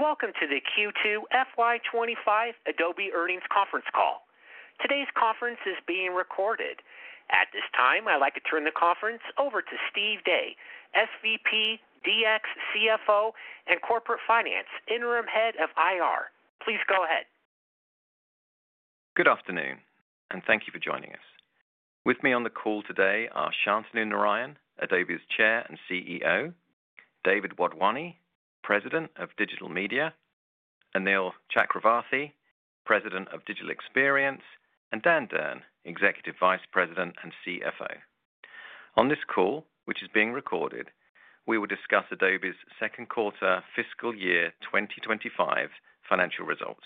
Good day, and welcome to the Q2 FY25 Adobe earnings conference call. Today's conference is being recorded. At this time, I'd like to turn the conference over to Steve Day, SVP, DX CFO, and Corporate Finance, Interim Head of IR. Please go ahead. Good afternoon, and thank you for joining us. With me on the call today are Shantanu Narayen, Adobe's Chair and CEO; David Wadhwani, President of Digital Media; Anil Chakravarthy, President of Digital Experience; and Dan Durn, Executive Vice President and CFO. On this call, which is being recorded, we will discuss Adobe's second quarter fiscal year 2025 financial results.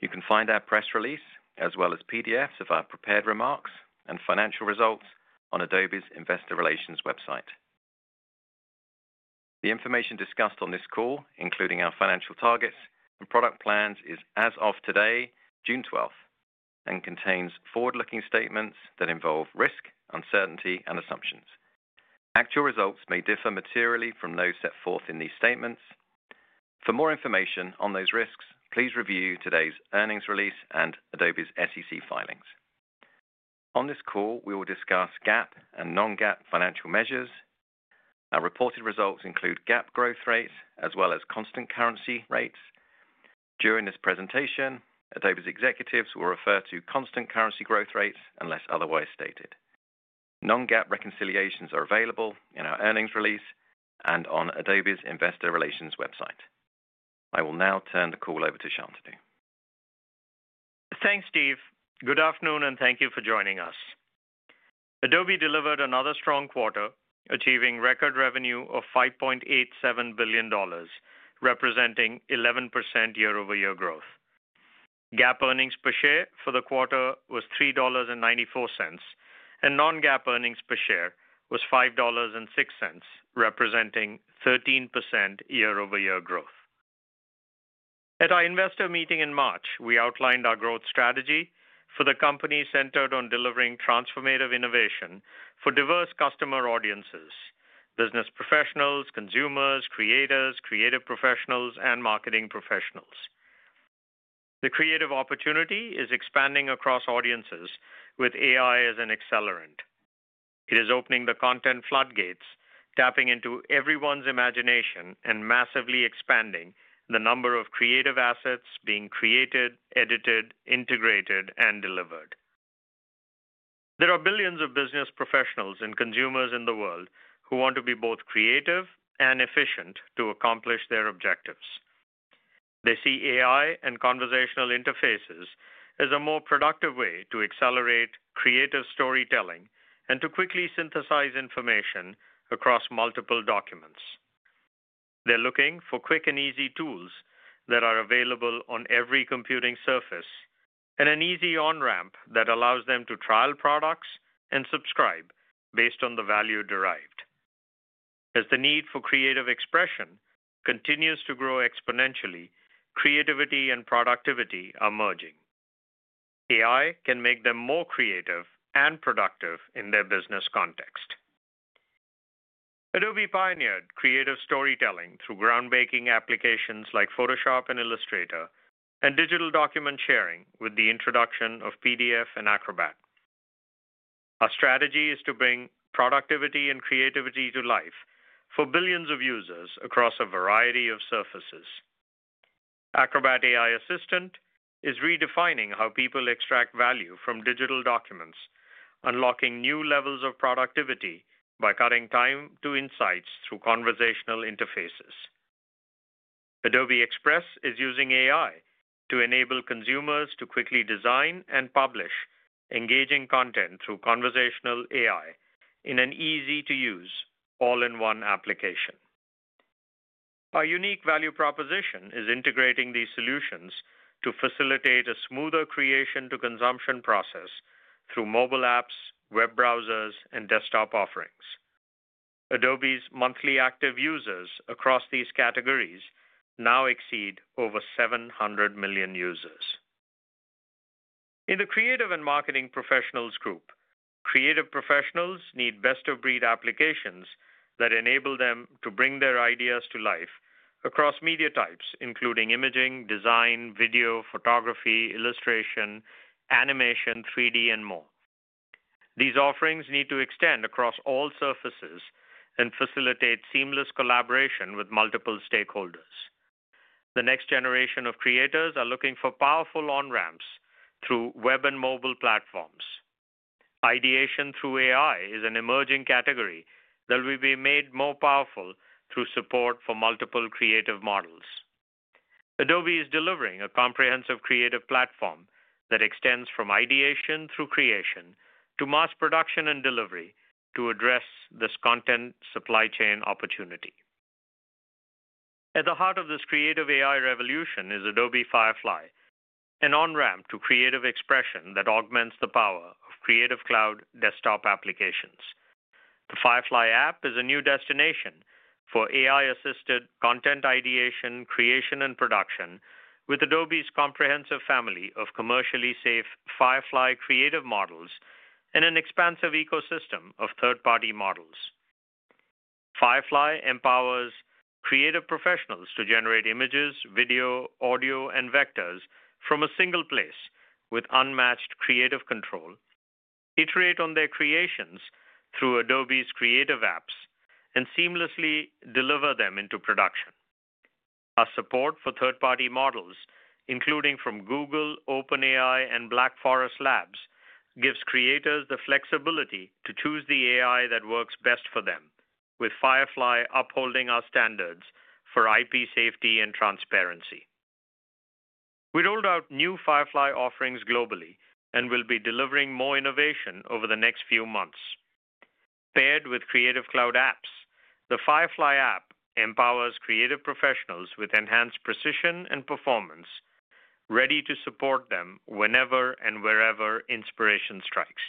You can find our press release, as well as PDFs of our prepared remarks and financial results, on Adobe's Investor Relations website. The information discussed on this call, including our financial targets and product plans, is as of today, June 12th, and contains forward-looking statements that involve risk, uncertainty, and assumptions. Actual results may differ materially from those set forth in these statements. For more information on those risks, please review today's earnings release and Adobe's SEC filings. On this call, we will discuss GAAP and non-GAAP financial measures. Our reported results include GAAP growth rates, as well as constant currency rates. During this presentation, Adobe's executives will refer to constant currency growth rates unless otherwise stated. Non-GAAP reconciliations are available in our earnings release and on Adobe's Investor Relations website. I will now turn the call over to Shantanu. Thanks, Steve. Good afternoon, and thank you for joining us. Adobe delivered another strong quarter, achieving record revenue of $5.87 billion, representing 11% year-over-year growth. GAAP earnings per share for the quarter was $3.94, and non-GAAP earnings per share was $5.06, representing 13% year-over-year growth. At our investor meeting in March, we outlined our growth strategy for the company centered on delivering transformative innovation for diverse customer audiences: business professionals, consumers, creators, creative professionals, and marketing professionals. The creative opportunity is expanding across audiences with AI as an accelerant. It is opening the content floodgates, tapping into everyone's imagination, and massively expanding the number of creative assets being created, edited, integrated, and delivered. There are billions of business professionals and consumers in the world who want to be both creative and efficient to accomplish their objectives. They see AI and conversational interfaces as a more productive way to accelerate creative storytelling and to quickly synthesize information across multiple documents. They're looking for quick and easy tools that are available on every computing surface and an easy on-ramp that allows them to trial products and subscribe based on the value derived. As the need for creative expression continues to grow exponentially, creativity and productivity are merging. AI can make them more creative and productive in their business context. Adobe pioneered creative storytelling through groundbreaking applications like Photoshop and Illustrator and digital document sharing with the introduction of PDF and Acrobat. Our strategy is to bring productivity and creativity to life for billions of users across a variety of surfaces. Acrobat AI Assistant is redefining how people extract value from digital documents, unlocking new levels of productivity by cutting time to insights through conversational interfaces. Adobe Express is using AI to enable consumers to quickly design and publish engaging content through conversational AI in an easy-to-use all-in-one application. Our unique value proposition is integrating these solutions to facilitate a smoother creation-to-consumption process through mobile apps, web browsers, and desktop offerings. Adobe's monthly active users across these categories now exceed 700 million users. In the creative and marketing professionals group, creative professionals need best-of-breed applications that enable them to bring their ideas to life across media types, including imaging, design, video, photography, illustration, animation, 3D, and more. These offerings need to extend across all surfaces and facilitate seamless collaboration with multiple stakeholders. The next generation of creators are looking for powerful on-ramps through web and mobile platforms. Ideation through AI is an emerging category that will be made more powerful through support for multiple creative models. Adobe is delivering a comprehensive creative platform that extends from ideation through creation to mass production and delivery to address this content supply chain opportunity. At the heart of this creative AI revolution is Adobe Firefly, an on-ramp to creative expression that augments the power of Creative Cloud desktop applications. The Firefly app is a new destination for AI-assisted content ideation, creation, and production with Adobe's comprehensive family of commercially safe Firefly creative models and an expansive ecosystem of third-party models. Firefly empowers creative professionals to generate images, video, audio, and vectors from a single place with unmatched creative control, iterate on their creations through Adobe's creative apps, and seamlessly deliver them into production. Our support for third-party models, including from Google, OpenAI, and Black Forest Labs, gives creators the flexibility to choose the AI that works best for them, with Firefly upholding our standards for IP safety and transparency. We rolled out new Firefly offerings globally and will be delivering more innovation over the next few months. Paired with Creative Cloud apps, the Firefly app empowers creative professionals with enhanced precision and performance, ready to support them whenever and wherever inspiration strikes.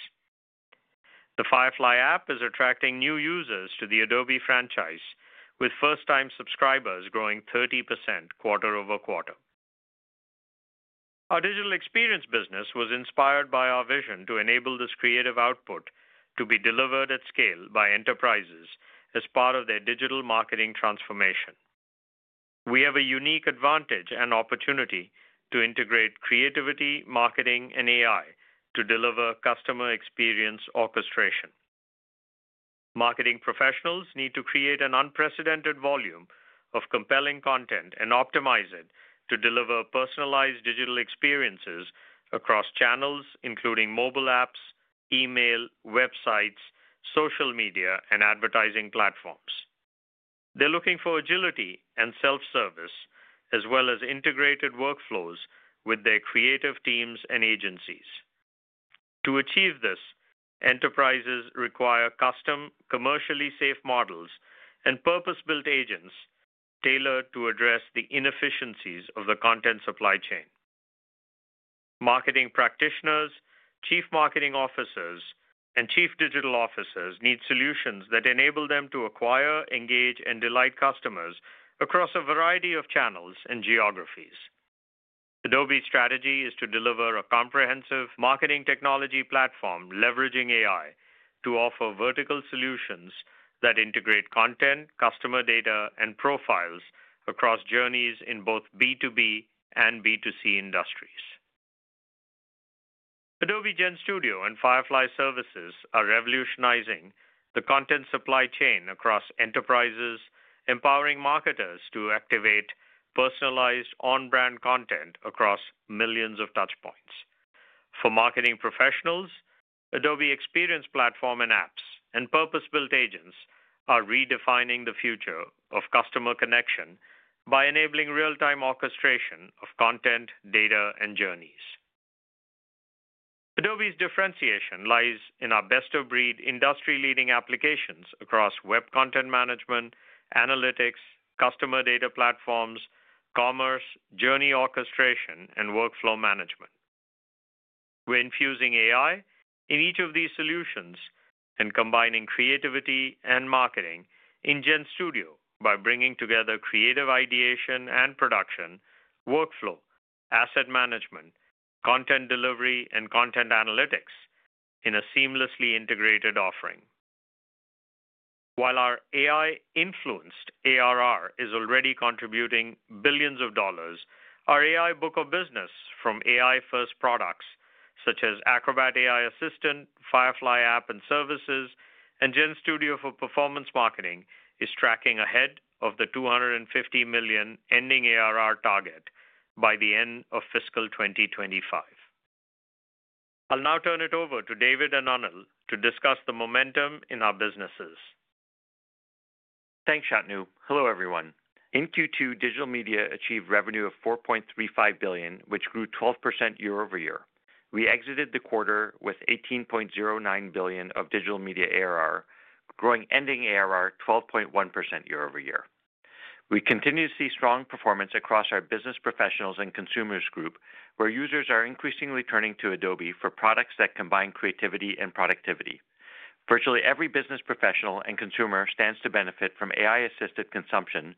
The Firefly app is attracting new users to the Adobe franchise, with first-time subscribers growing 30% quarter-over-quarter. Our digital experience business was inspired by our vision to enable this creative output to be delivered at scale by enterprises as part of their digital marketing transformation. We have a unique advantage and opportunity to integrate creativity, marketing, and AI to deliver customer experience orchestration. Marketing professionals need to create an unprecedented volume of compelling content and optimize it to deliver personalized digital experiences across channels, including mobile apps, email, websites, social media, and advertising platforms. They're looking for agility and self-service, as well as integrated workflows with their creative teams and agencies. To achieve this, enterprises require custom, commercially safe models and purpose-built agents tailored to address the inefficiencies of the content supply chain. Marketing practitioners, chief marketing officers, and chief digital officers need solutions that enable them to acquire, engage, and delight customers across a variety of channels and geographies. Adobe's strategy is to deliver a comprehensive marketing technology platform leveraging AI to offer vertical solutions that integrate content, customer data, and profiles across journeys in both B2B and B2C industries. Adobe GenStudio and Firefly Services are revolutionizing the content supply chain across enterprises, empowering marketers to activate personalized on-brand content across millions of touchpoints. For marketing professionals, Adobe Experience Platform and apps and purpose-built agents are redefining the future of customer connection by enabling real-time orchestration of content, data, and journeys. Adobe's differentiation lies in our best-of-breed industry-leading applications across web content management, analytics, customer data platforms, commerce, journey orchestration, and workflow management. We're infusing AI in each of these solutions and combining creativity and marketing in GenStudio by bringing together creative ideation and production, workflow, asset management, content delivery, and content analytics in a seamlessly integrated offering. While our AI-influenced ARR is already contributing billions of dollars, our AI book of business from AI-first products such as Acrobat AI Assistant, Firefly app and services, and GenStudio for performance marketing is tracking ahead of the $250 million ending ARR target by the end of fiscal 2025. I'll now turn it over to David and Anil to discuss the momentum in our businesses. Thanks, Shantanu. Hello, everyone. In Q2, digital media achieved revenue of $4.35 billion, which grew 12% year-over-year. We exited the quarter with $18.09 billion of digital media ARR, growing ending ARR 12.1% year-over-year. We continue to see strong performance across our business professionals and consumers group, where users are increasingly turning to Adobe for products that combine creativity and productivity. Virtually every business professional and consumer stands to benefit from AI-assisted consumption,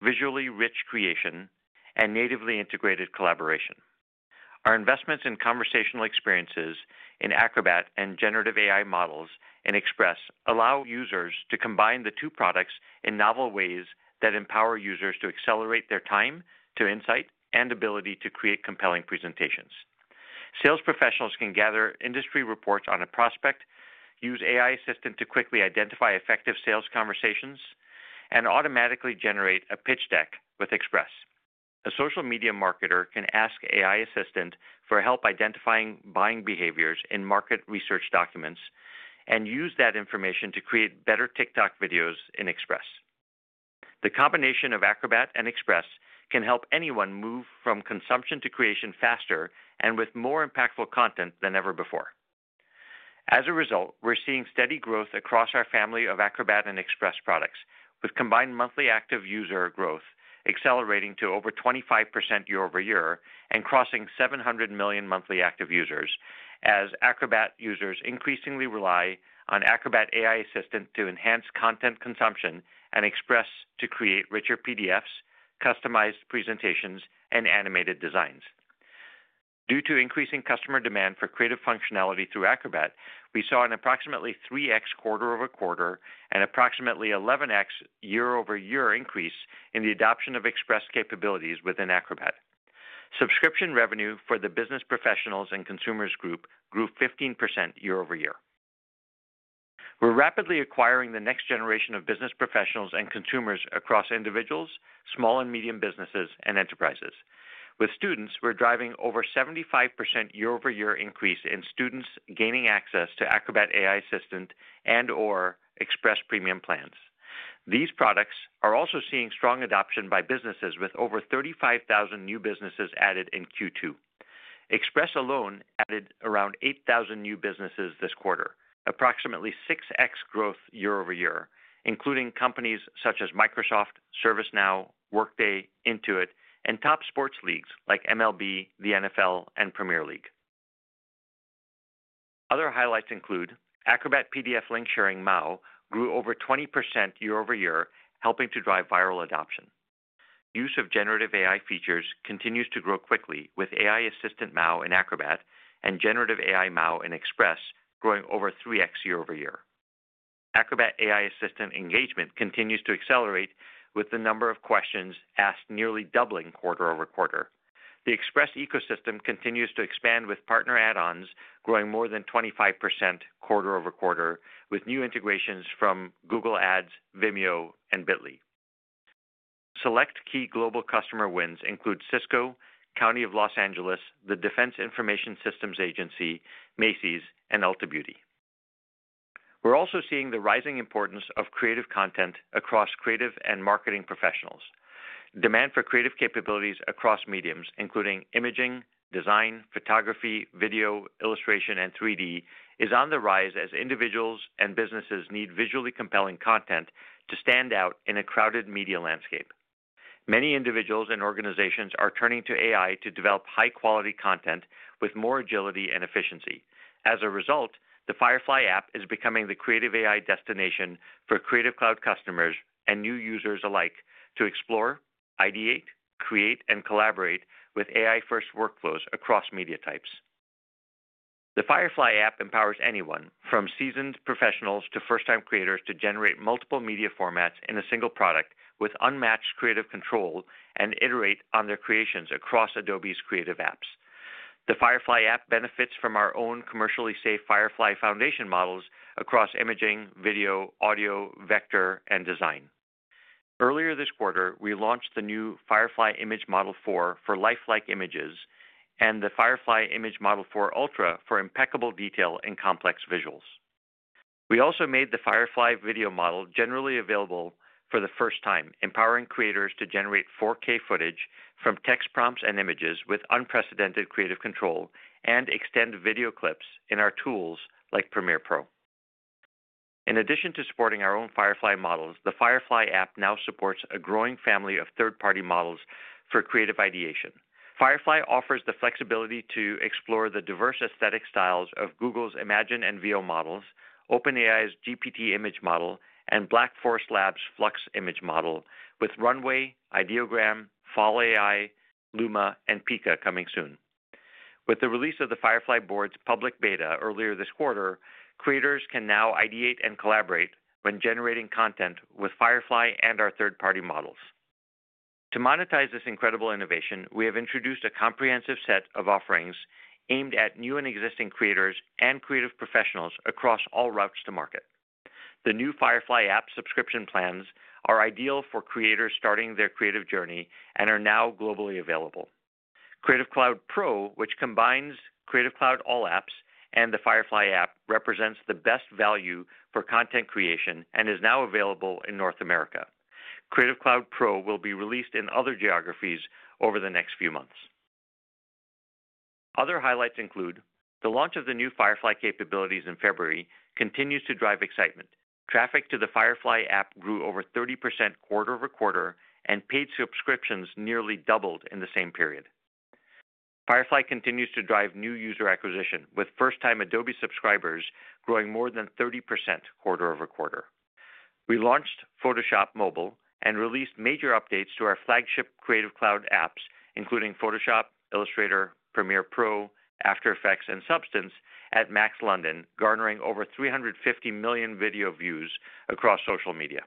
visually rich creation, and natively integrated collaboration. Our investments in conversational experiences in Acrobat and generative AI models in Express allow users to combine the two products in novel ways that empower users to accelerate their time to insight and ability to create compelling presentations. Sales professionals can gather industry reports on a prospect, use AI Assistant to quickly identify effective sales conversations, and automatically generate a pitch deck with Express. A social media marketer can ask AI Assistant for help identifying buying behaviors in market research documents and use that information to create better TikTok videos in Express. The combination of Acrobat and Express can help anyone move from consumption to creation faster and with more impactful content than ever before. As a result, we're seeing steady growth across our family of Acrobat and Express products, with combined monthly active user growth accelerating to over 25% year-over-year and crossing 700 million monthly active users as Acrobat users increasingly rely on Acrobat AI Assistant to enhance content consumption and Express to create richer PDFs, customized presentations, and animated designs. Due to increasing customer demand for creative functionality through Acrobat, we saw an approximately 3x quarter-over-quarter and approximately 11x year-over-year increase in the adoption of Express capabilities within Acrobat. Subscription revenue for the business professionals and consumers group grew 15% year-over-year. We're rapidly acquiring the next generation of business professionals and consumers across individuals, small and medium businesses, and enterprises. With students, we're driving over 75% year-over-year increase in students gaining access to Acrobat AI Assistant and/or Express premium plans. These products are also seeing strong adoption by businesses with over 35,000 new businesses added in Q2. Express alone added around 8,000 new businesses this quarter, approximately 6x growth year-over-year, including companies such as Microsoft, ServiceNow, Workday, Intuit, and top sports leagues like MLB, the NFL, and Premier League. Other highlights include Acrobat PDF link sharing MAU grew over 20% year-over-year, helping to drive viral adoption. Use of generative AI features continues to grow quickly with AI Assistant MAU in Acrobat and generative AI MAU in Express growing over 3x year-over-year. Acrobat AI Assistant engagement continues to accelerate with the number of questions asked nearly doubling quarter-over-quarter. The Express ecosystem continues to expand with partner add-ons growing more than 25% quarter-over-quarter with new integrations from Google Ads, Vimeo, and Bitly. Select key global customer wins include Cisco, County of Los Angeles, the Defense Information Systems Agency, Macy's, and Ulta Beauty. We're also seeing the rising importance of creative content across creative and marketing professionals. Demand for creative capabilities across mediums, including imaging, design, photography, video, illustration, and 3D, is on the rise as individuals and businesses need visually compelling content to stand out in a crowded media landscape. Many individuals and organizations are turning to AI to develop high-quality content with more agility and efficiency. As a result, the Firefly app is becoming the creative AI destination for Creative Cloud customers and new users alike to explore, ideate, create, and collaborate with AI-first workflows across media types. The Firefly app empowers anyone from seasoned professionals to first-time creators to generate multiple media formats in a single product with unmatched creative control and iterate on their creations across Adobe's creative apps. The Firefly app benefits from our own commercially safe Firefly Foundation Models across imaging, video, audio, vector, and design. Earlier this quarter, we launched the new Firefly Image Model 4 for lifelike images and the Firefly Image Model 4 Ultra for impeccable detail and complex visuals. We also made the Firefly Video Model generally available for the first time, empowering creators to generate 4K footage from text prompts and images with unprecedented creative control and extend video clips in our tools like Premiere Pro. In addition to supporting our own Firefly models, the Firefly app now supports a growing family of third-party models for creative ideation. Firefly offers the flexibility to explore the diverse aesthetic styles of Google's Imagen and Veo models, OpenAI's GPT image model, and Black Forest Labs' Flux image model with Runway, Ideogram, Fal AI, Luma, and Pika coming soon. With the release of the Firefly Board's public beta earlier this quarter, creators can now ideate and collaborate when generating content with Firefly and our third-party models. To monetize this incredible innovation, we have introduced a comprehensive set of offerings aimed at new and existing creators and creative professionals across all routes to market. The new Firefly app subscription plans are ideal for creators starting their creative journey and are now globally available. Creative Cloud Pro, which combines Creative Cloud All Apps and the Firefly app, represents the best value for content creation and is now available in North America. Creative Cloud Pro will be released in other geographies over the next few months. Other highlights include the launch of the new Firefly capabilities in February continues to drive excitement. Traffic to the Firefly app grew over 30% quarter-over-quarter, and paid subscriptions nearly doubled in the same period. Firefly continues to drive new user acquisition, with first-time Adobe subscribers growing more than 30% quarter-over-quarter. We launched Photoshop Mobile and released major updates to our flagship Creative Cloud apps, including Photoshop, Illustrator, Premiere Pro, After Effects, and Substance at Max London, garnering over 350 million video views across social media.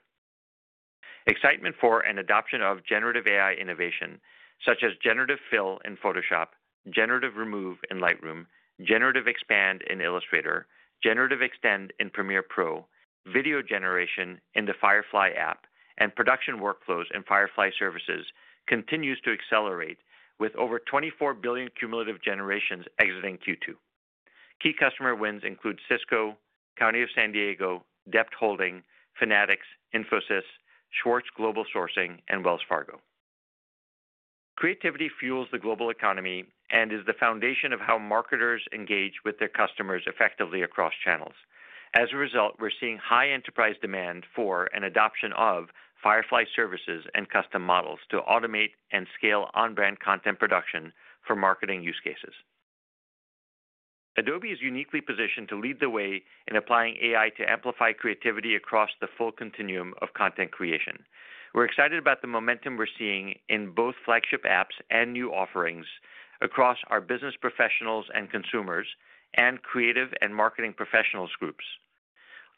Excitement for and adoption of generative AI innovation such as generative fill in Photoshop, generative remove in Lightroom, generative expand in Illustrator, generative extend in Premiere Pro, video generation in the Firefly app, and production workflows in Firefly Services continues to accelerate with over 24 billion cumulative generations exiting Q2. Key customer wins include Cisco, County of San Diego, DEBT Holding, Fanatics, Infosys, Schwartz Global Sourcing, and Wells Fargo. Creativity fuels the global economy and is the foundation of how marketers engage with their customers effectively across channels. As a result, we're seeing high enterprise demand for and adoption of Firefly Services and custom models to automate and scale on-brand content production for marketing use cases. Adobe is uniquely positioned to lead the way in applying AI to amplify creativity across the full continuum of content creation. We're excited about the momentum we're seeing in both flagship apps and new offerings across our business professionals and consumers and creative and marketing professionals groups.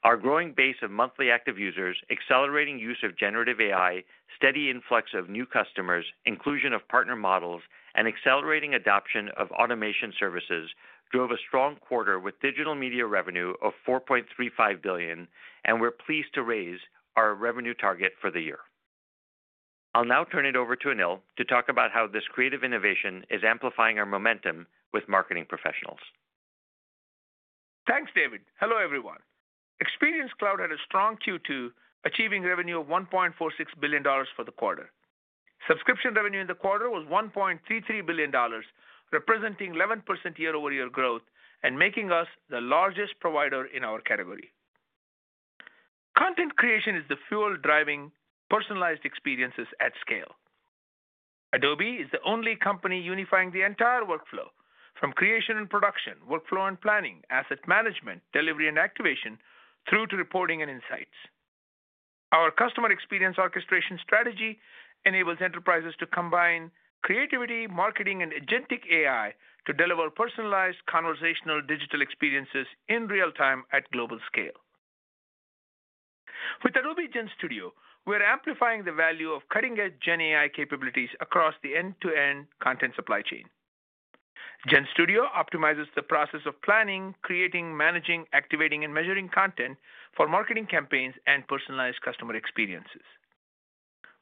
Our growing base of monthly active users, accelerating use of generative AI, steady influx of new customers, inclusion of partner models, and accelerating adoption of automation services drove a strong quarter with digital media revenue of $4.35 billion, and we're pleased to raise our revenue target for the year. I'll now turn it over to Anil to talk about how this creative innovation is amplifying our momentum with marketing professionals. Thanks, David. Hello, everyone. Experience Cloud had a strong Q2, achieving revenue of $1.46 billion for the quarter. Subscription revenue in the quarter was $1.33 billion, representing 11% year-over-year growth and making us the largest provider in our category. Content creation is the fuel driving personalized experiences at scale. Adobe is the only company unifying the entire workflow from creation and production, workflow and planning, asset management, delivery and activation, through to reporting and insights. Our customer experience orchestration strategy enables enterprises to combine creativity, marketing, and agentic AI to deliver personalized conversational digital experiences in real time at global scale. With Adobe GenStudio, we're amplifying the value of cutting-edge Gen AI capabilities across the end-to-end content supply chain. GenStudio optimizes the process of planning, creating, managing, activating, and measuring content for marketing campaigns and personalized customer experiences.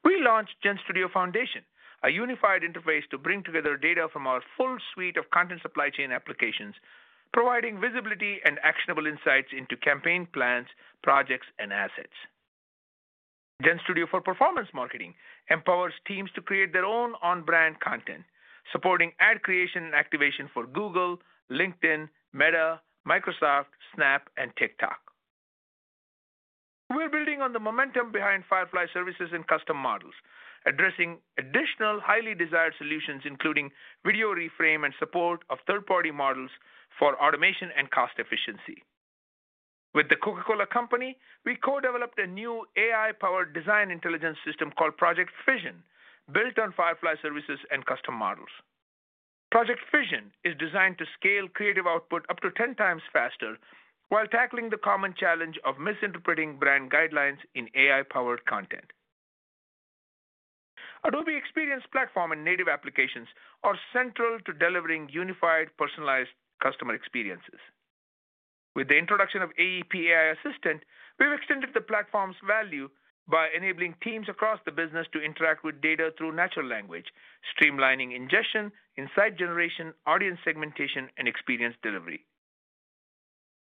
We launched GenStudio Foundation, a unified interface to bring together data from our full suite of content supply chain applications, providing visibility and actionable insights into campaign plans, projects, and assets. GenStudio for performance marketing empowers teams to create their own on-brand content, supporting ad creation and activation for Google, LinkedIn, Meta, Microsoft, Snap, and TikTok. We're building on the momentum behind Firefly services and custom models, addressing additional highly desired solutions, including video reframe and support of third-party models for automation and cost efficiency. With The Coca-Cola Company, we co-developed a new AI-powered design intelligence system called Project Vision, built on Firefly services and custom models. Project Vision is designed to scale creative output up to 10x faster while tackling the common challenge of misinterpreting brand guidelines in AI-powered content. Adobe Experience Platform and native applications are central to delivering unified personalized customer experiences. With the introduction of AEP AI Assistant, we've extended the platform's value by enabling teams across the business to interact with data through natural language, streamlining ingestion, insight generation, audience segmentation, and experience delivery.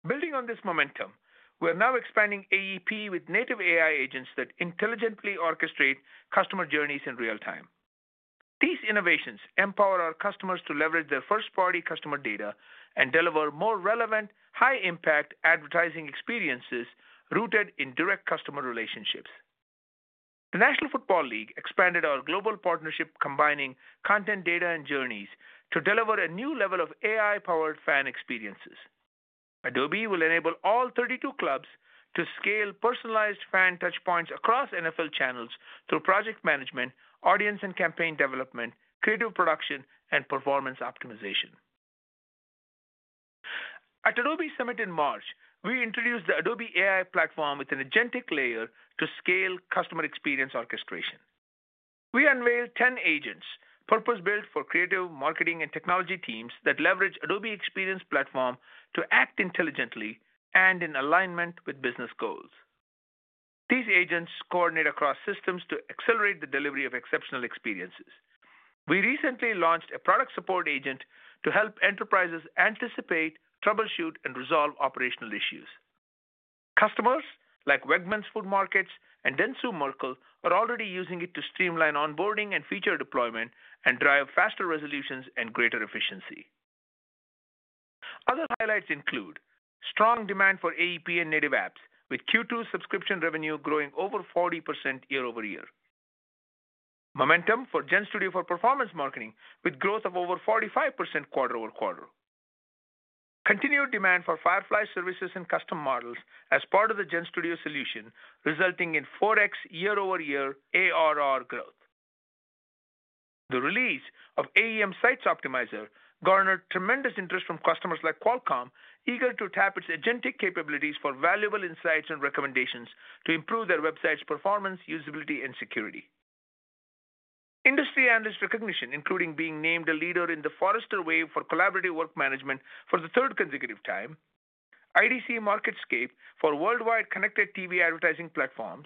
Building on this momentum, we're now expanding AEP with native AI agents that intelligently orchestrate customer journeys in real time. These innovations empower our customers to leverage their first-party customer data and deliver more relevant, high-impact advertising experiences rooted in direct customer relationships. The National Football League expanded our global partnership, combining content, data, and journeys to deliver a new level of AI-powered fan experiences. Adobe will enable all 32 clubs to scale personalized fan touchpoints across NFL channels through project management, audience and campaign development, creative production, and performance optimization. At Adobe Summit in March, we introduced the Adobe AI Platform with an agentic layer to scale customer experience orchestration. We unveiled 10 agents purpose-built for creative marketing and technology teams that leverage Adobe Experience Platform to act intelligently and in alignment with business goals. These agents coordinate across systems to accelerate the delivery of exceptional experiences. We recently launched a product support agent to help enterprises anticipate, troubleshoot, and resolve operational issues. Customers like Wegmans Food Markets and Dentsu Merkle are already using it to streamline onboarding and feature deployment and drive faster resolutions and greater efficiency. Other highlights include strong demand for AEP and native apps, with Q2 subscription revenue growing over 40% year-over-year. Momentum for GenStudio for performance marketing, with growth of over 45% quarter-over-quarter. Continued demand for Firefly services and custom models as part of the GenStudio solution, resulting in 4x year-over-year ARR growth. The release of AEM Sites Optimizer garnered tremendous interest from customers like Qualcomm, eager to tap its agentic capabilities for valuable insights and recommendations to improve their website's performance, usability, and security. Industry analyst recognition, including being named a leader in the Forrester Wave for collaborative work management for the third consecutive time, IDC Marketscape for worldwide connected TV advertising platforms,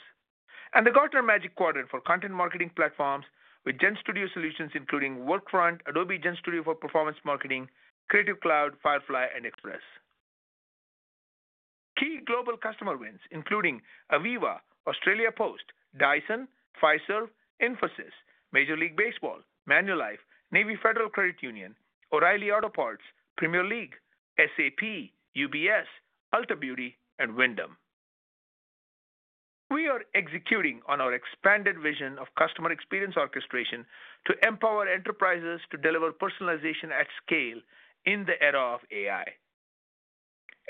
and the Gartner Magic Quadrant for content marketing platforms with GenStudio solutions, including Workfront, Adobe GenStudio for performance marketing, Creative Cloud, Firefly, and Express. Key global customer wins, including Aviva, Australia Post, Dyson, Pfizer, Infosys, Major League Baseball, Manulife, Navy Federal Credit Union, O'Reilly Auto Parts, Premier League, SAP, UBS, Ulta Beauty, and Wyndham. We are executing on our expanded vision of customer experience orchestration to empower enterprises to deliver personalization at scale in the era of AI.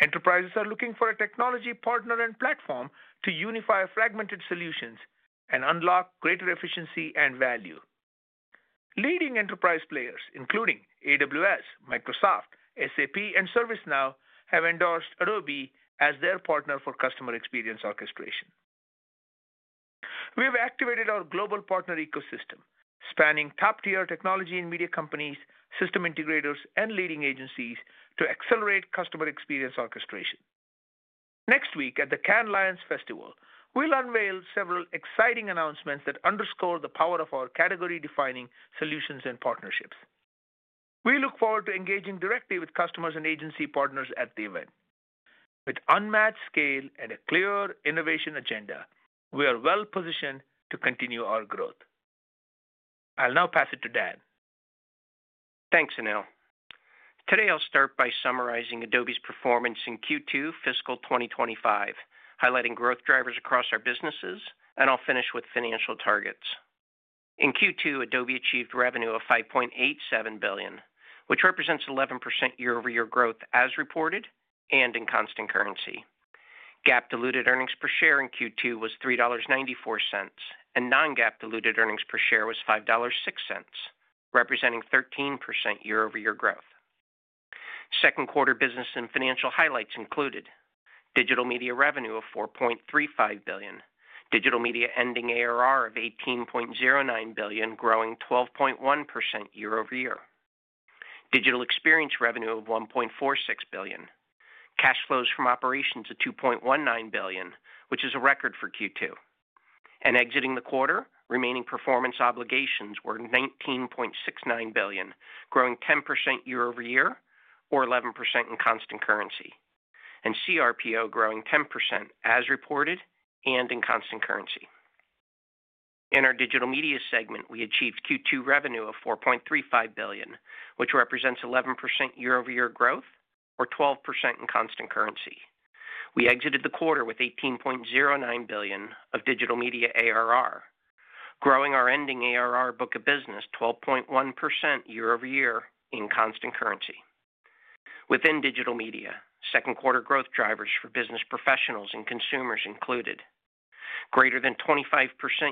Enterprises are looking for a technology partner and platform to unify fragmented solutions and unlock greater efficiency and value. Leading enterprise players, including AWS, Microsoft, SAP, and ServiceNow, have endorsed Adobe as their partner for customer experience orchestration. We have activated our global partner ecosystem, spanning top-tier technology and media companies, system integrators, and leading agencies to accelerate customer experience orchestration. Next week at the Cannes Lions Festival, we'll unveil several exciting announcements that underscore the power of our category-defining solutions and partnerships. We look forward to engaging directly with customers and agency partners at the event. With unmatched scale and a clear innovation agenda, we are well-positioned to continue our growth. I'll now pass it to Dan. Thanks, Anil. Today, I'll start by summarizing Adobe's performance in Q2 fiscal 2025, highlighting growth drivers across our businesses, and I'll finish with financial targets. In Q2, Adobe achieved revenue of $5.87 billion, which represents 11% year-over-year growth as reported and in constant currency. GAAP-diluted earnings per share in Q2 was $3.94, and non-GAAP-diluted earnings per share was $5.06, representing 13% year-over-year growth. Second quarter business and financial highlights included digital media revenue of $4.35 billion, digital media ending ARR of $18.09 billion, growing 12.1% year-over-year, digital experience revenue of $1.46 billion, cash flows from operations of $2.19 billion, which is a record for Q2. Exiting the quarter, remaining performance obligations were $19.69 billion, growing 10% year-over-year or 11% in constant currency, and CRPO growing 10% as reported and in constant currency. In our digital media segment, we achieved Q2 revenue of $4.35 billion, which represents 11% year-over-year growth or 12% in constant currency. We exited the quarter with $18.09 billion of digital media ARR, growing our ending ARR book of business 12.1% year-over-year in constant currency. Within digital media, second quarter growth drivers for business professionals and consumers included greater than 25%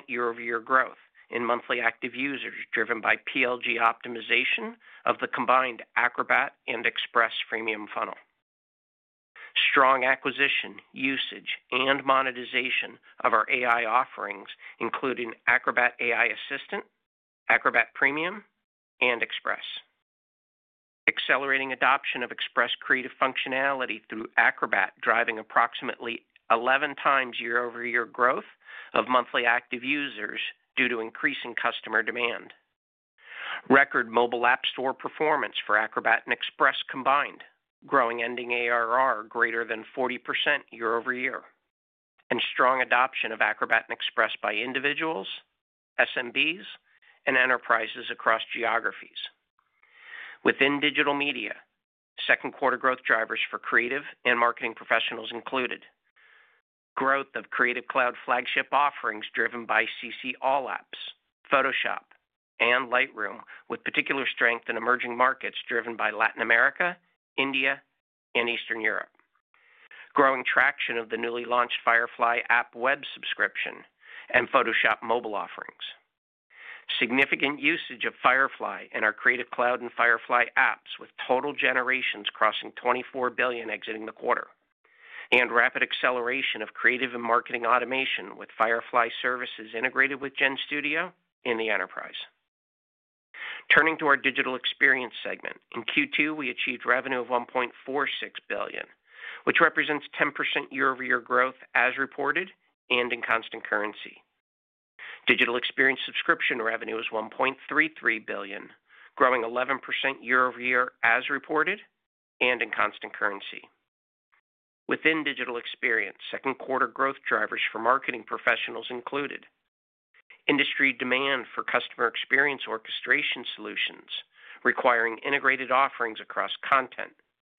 year-over-year growth in monthly active users driven by PLG optimization of the combined Acrobat and Express freemium funnel. Strong acquisition, usage, and monetization of our AI offerings, including Acrobat AI Assistant, Acrobat Premium, and Express. Accelerating adoption of Express creative functionality through Acrobat, driving approximately 11x year-over-year growth of monthly active users due to increasing customer demand. Record mobile app store performance for Acrobat and Express combined, growing ending ARR greater than 40% year-over-year, and strong adoption of Acrobat and Express by individuals, SMBs, and enterprises across geographies. Within digital media, second quarter growth drivers for creative and marketing professionals included growth of Creative Cloud flagship offerings driven by CC All Apps, Photoshop, and Lightroom, with particular strength in emerging markets driven by Latin America, India, and Eastern Europe. Growing traction of the newly launched Firefly app web subscription and Photoshop Mobile offerings. Significant usage of Firefly in our Creative Cloud and Firefly apps, with total generations crossing $24 billion exiting the quarter, and rapid acceleration of creative and marketing automation with Firefly Services integrated with GenStudio in the enterprise. Turning to our digital experience segment, in Q2, we achieved revenue of $1.46 billion, which represents 10% year-over-year growth as reported and in constant currency. Digital experience subscription revenue is $1.33 billion, growing 11% year-over-year as reported and in constant currency. Within digital experience, second quarter growth drivers for marketing professionals included industry demand for customer experience orchestration solutions requiring integrated offerings across content,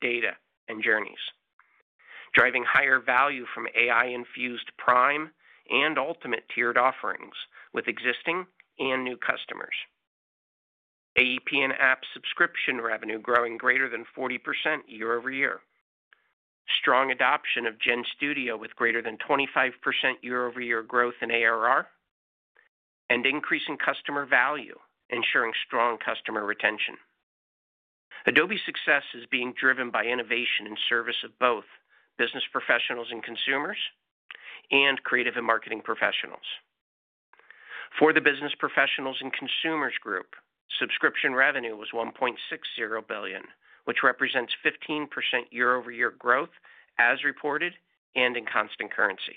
data, and journeys, driving higher value from AI-infused prime and ultimate tiered offerings with existing and new customers. AEP and app subscription revenue growing greater than 40% year-over-year. Strong adoption of GenStudio with greater than 25% year-over-year growth in ARR and increasing customer value, ensuring strong customer retention. Adobe's success is being driven by innovation in service of both business professionals and consumers and creative and marketing professionals. For the business professionals and consumers group, subscription revenue was $1.60 billion, which represents 15% year-over-year growth as reported and in constant currency.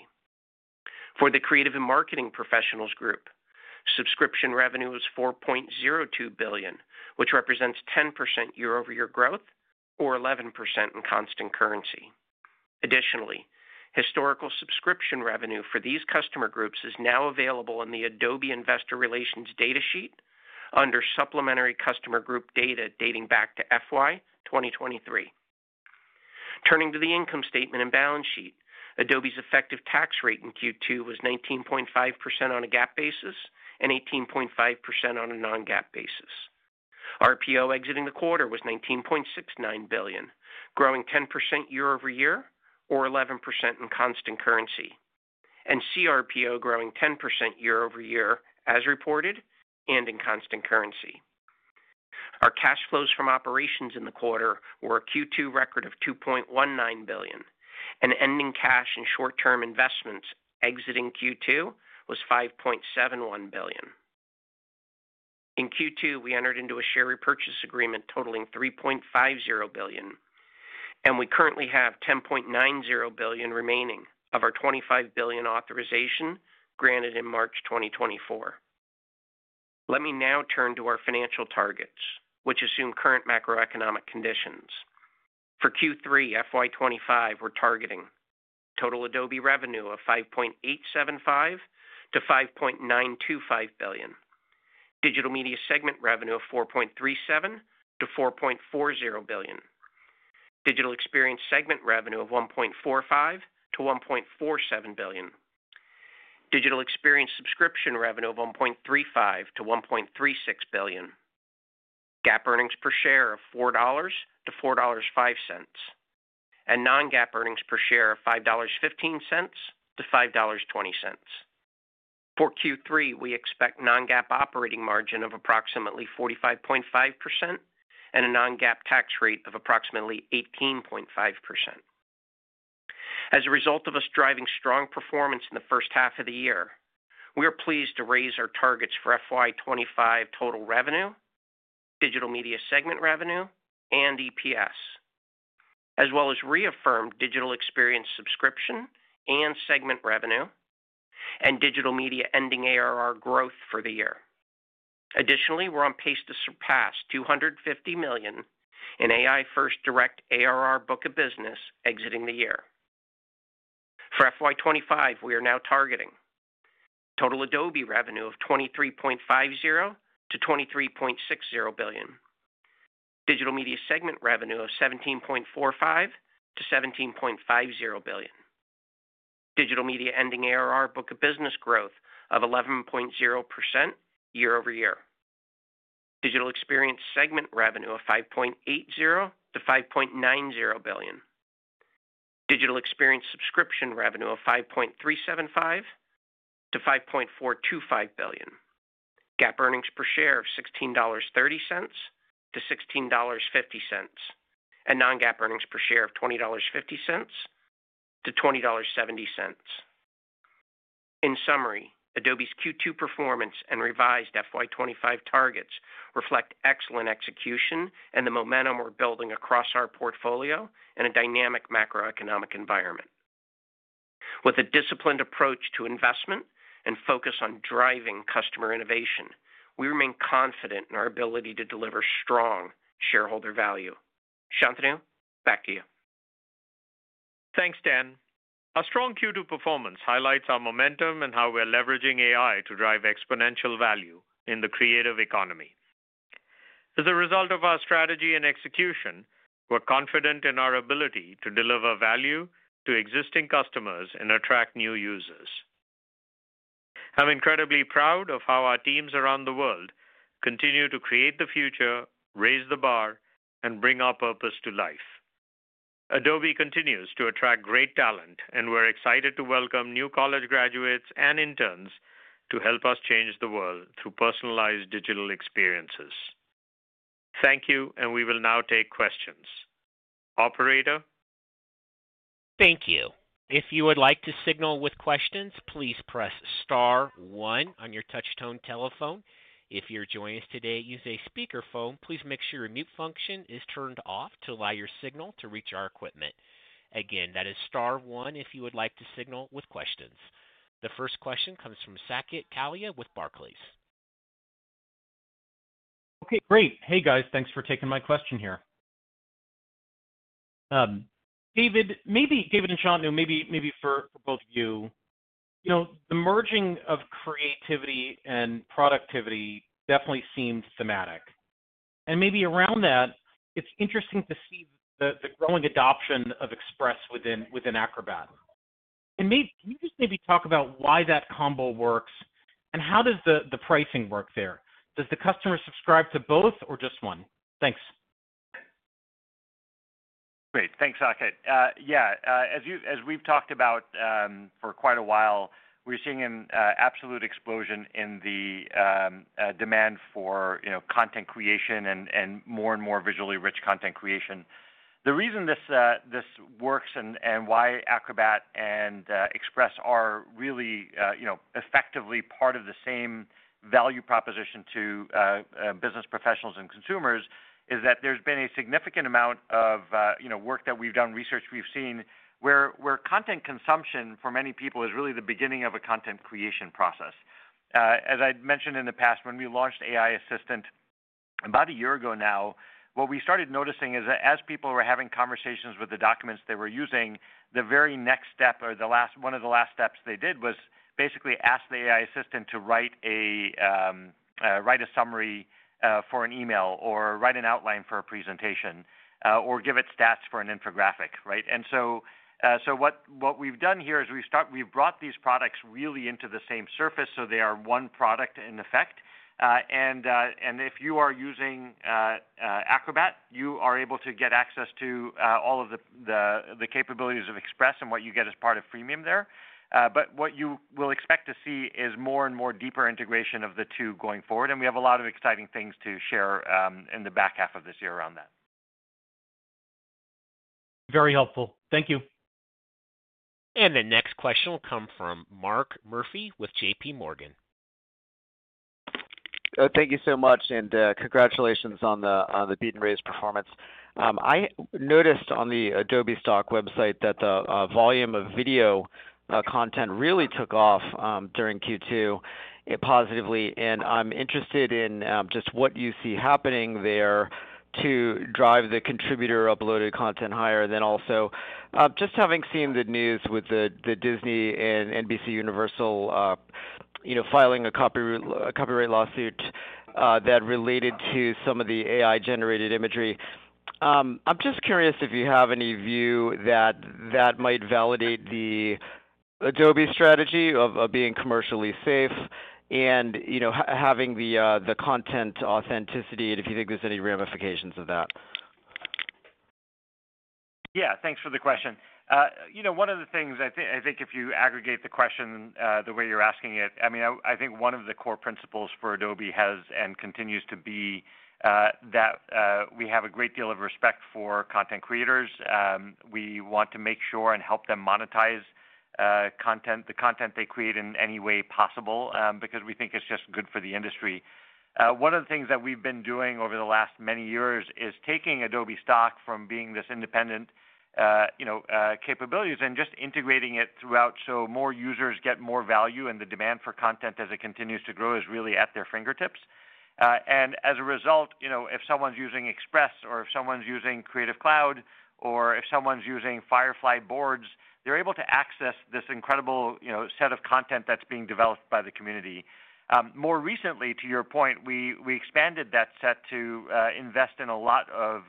For the creative and marketing professionals group, subscription revenue was $4.02 billion, which represents 10% year-over-year growth or 11% in constant currency. Additionally, historical subscription revenue for these customer groups is now available in the Adobe Investor Relations data sheet under supplementary customer group data dating back to FY 2023. Turning to the income statement and balance sheet, Adobe's effective tax rate in Q2 was 19.5% on a GAAP basis and 18.5% on a non-GAAP basis. RPO exiting the quarter was $19.69 billion, growing 10% year-over-year or 11% in constant currency, and CRPO growing 10% year-over-year as reported and in constant currency. Our cash flows from operations in the quarter were a Q2 record of $2.19 billion, and ending cash and short-term investments exiting Q2 was $5.71 billion. In Q2, we entered into a share repurchase agreement totaling $3.50 billion, and we currently have $10.90 billion remaining of our $25 billion authorization granted in March 2024. Let me now turn to our financial targets, which assume current macroeconomic conditions. For Q3, FY 2025, we're targeting total Adobe revenue of $5.875 billion-$5.925 billion, digital media segment revenue of $4.37 billion-$4.40 billion, digital experience segment revenue of $1.45 billion-$1.47 billion, digital experience subscription revenue of $1.35 billion-$1.36 billion, GAAP earnings per share of $4-$4.05, and non-GAAP earnings per share of $5.15-$5.20. For Q3, we expect non-GAAP operating margin of approximately 45.5% and a non-GAAP tax rate of approximately 18.5%. As a result of us driving strong performance in the first half of the year, we are pleased to raise our targets for FY 2025 total revenue, digital media segment revenue, and EPS, as well as reaffirm digital experience subscription and segment revenue and digital media ending ARR growth for the year. Additionally, we're on pace to surpass $250 million in AI-first direct ARR book of business exiting the year. For FY 2025, we are now targeting total Adobe revenue of $23.50-$23.60 billion, digital media segment revenue of $17.45-$17.50 billion, digital media ending ARR book of business growth of 11.0% year-over-year, digital experience segment revenue of $5.80-$5.90 billion, digital experience subscription revenue of $5.375-$5.425 billion, GAAP earnings per share of $16.30-$16.50, and non-GAAP earnings per share of $20.50-$20.70. In summary, Adobe's Q2 performance and revised FY 2025 targets reflect excellent execution and the momentum we're building across our portfolio in a dynamic macroeconomic environment. With a disciplined approach to investment and focus on driving customer innovation, we remain confident in our ability to deliver strong shareholder value. Shantanu, back to you. Thanks, Dan. A strong Q2 performance highlights our momentum and how we're leveraging AI to drive exponential value in the creative economy. As a result of our strategy and execution, we're confident in our ability to deliver value to existing customers and attract new users. I'm incredibly proud of how our teams around the world continue to create the future, raise the bar, and bring our purpose to life. Adobe continues to attract great talent, and we're excited to welcome new college graduates and interns to help us change the world through personalized digital experiences. Thank you, and we will now take questions. Operator. Thank you. If you would like to signal with questions, please press star one on your touch-tone telephone. If you're joining us today, use a speakerphone. Please make sure your mute function is turned off to allow your signal to reach our equipment. Again, that is star one if you would like to signal with questions. The first question comes from Saket Kalia with Barclays. Okay, great. Hey, guys, thanks for taking my question here. David, maybe David and Shantanu, maybe for both of you, the merging of creativity and productivity definitely seems thematic. And maybe around that, it's interesting to see the growing adoption of Express within Acrobat. Can you just maybe talk about why that combo works, and how does the pricing work there? Does the customer subscribe to both or just one? Thanks. Great. Thanks, Saket. Yeah, as we've talked about for quite a while, we're seeing an absolute explosion in the demand for content creation and more and more visually rich content creation. The reason this works and why Acrobat and Express are really effectively part of the same value proposition to business professionals and consumers is that there's been a significant amount of work that we've done, research we've seen, where content consumption for many people is really the beginning of a content creation process. As I'd mentioned in the past, when we launched AI Assistant about a year ago now, what we started noticing is that as people were having conversations with the documents they were using, the very next step or one of the last steps they did was basically ask the AI Assistant to write a summary for an email or write an outline for a presentation or give it stats for an infographic, right? What we have done here is we have brought these products really into the same surface so they are one product in effect. If you are using Acrobat, you are able to get access to all of the capabilities of Express and what you get as part of freemium there. What you will expect to see is more and more deeper integration of the two going forward, and we have a lot of exciting things to share in the back half of this year around that. Very helpful. Thank you. The next question will come from Mark Murphy with JPMorgan. Thank you so much, and congratulations on the beat-and-raise performance. I noticed on the Adobe Stock website that the volume of video content really took off during Q2 positively, and I'm interested in just what you see happening there to drive the contributor-uploaded content higher. Also, just having seen the news with the Disney and NBC Universal filing a copyright lawsuit that related to some of the AI-generated imagery, I'm just curious if you have any view that that might validate the Adobe strategy of being commercially safe and having the content authenticity, and if you think there's any ramifications of that. Yeah, thanks for the question. One of the things I think if you aggregate the question the way you're asking it, I mean, I think one of the core principles for Adobe has and continues to be that we have a great deal of respect for content creators. We want to make sure and help them monetize the content they create in any way possible because we think it's just good for the industry. One of the things that we've been doing over the last many years is taking Adobe Stock from being this independent capabilities and just integrating it throughout so more users get more value, and the demand for content as it continues to grow is really at their fingertips. If someone's using Express or if someone's using Creative Cloud or if someone's using Firefly Boards, they're able to access this incredible set of content that's being developed by the community. More recently, to your point, we expanded that set to invest in a lot of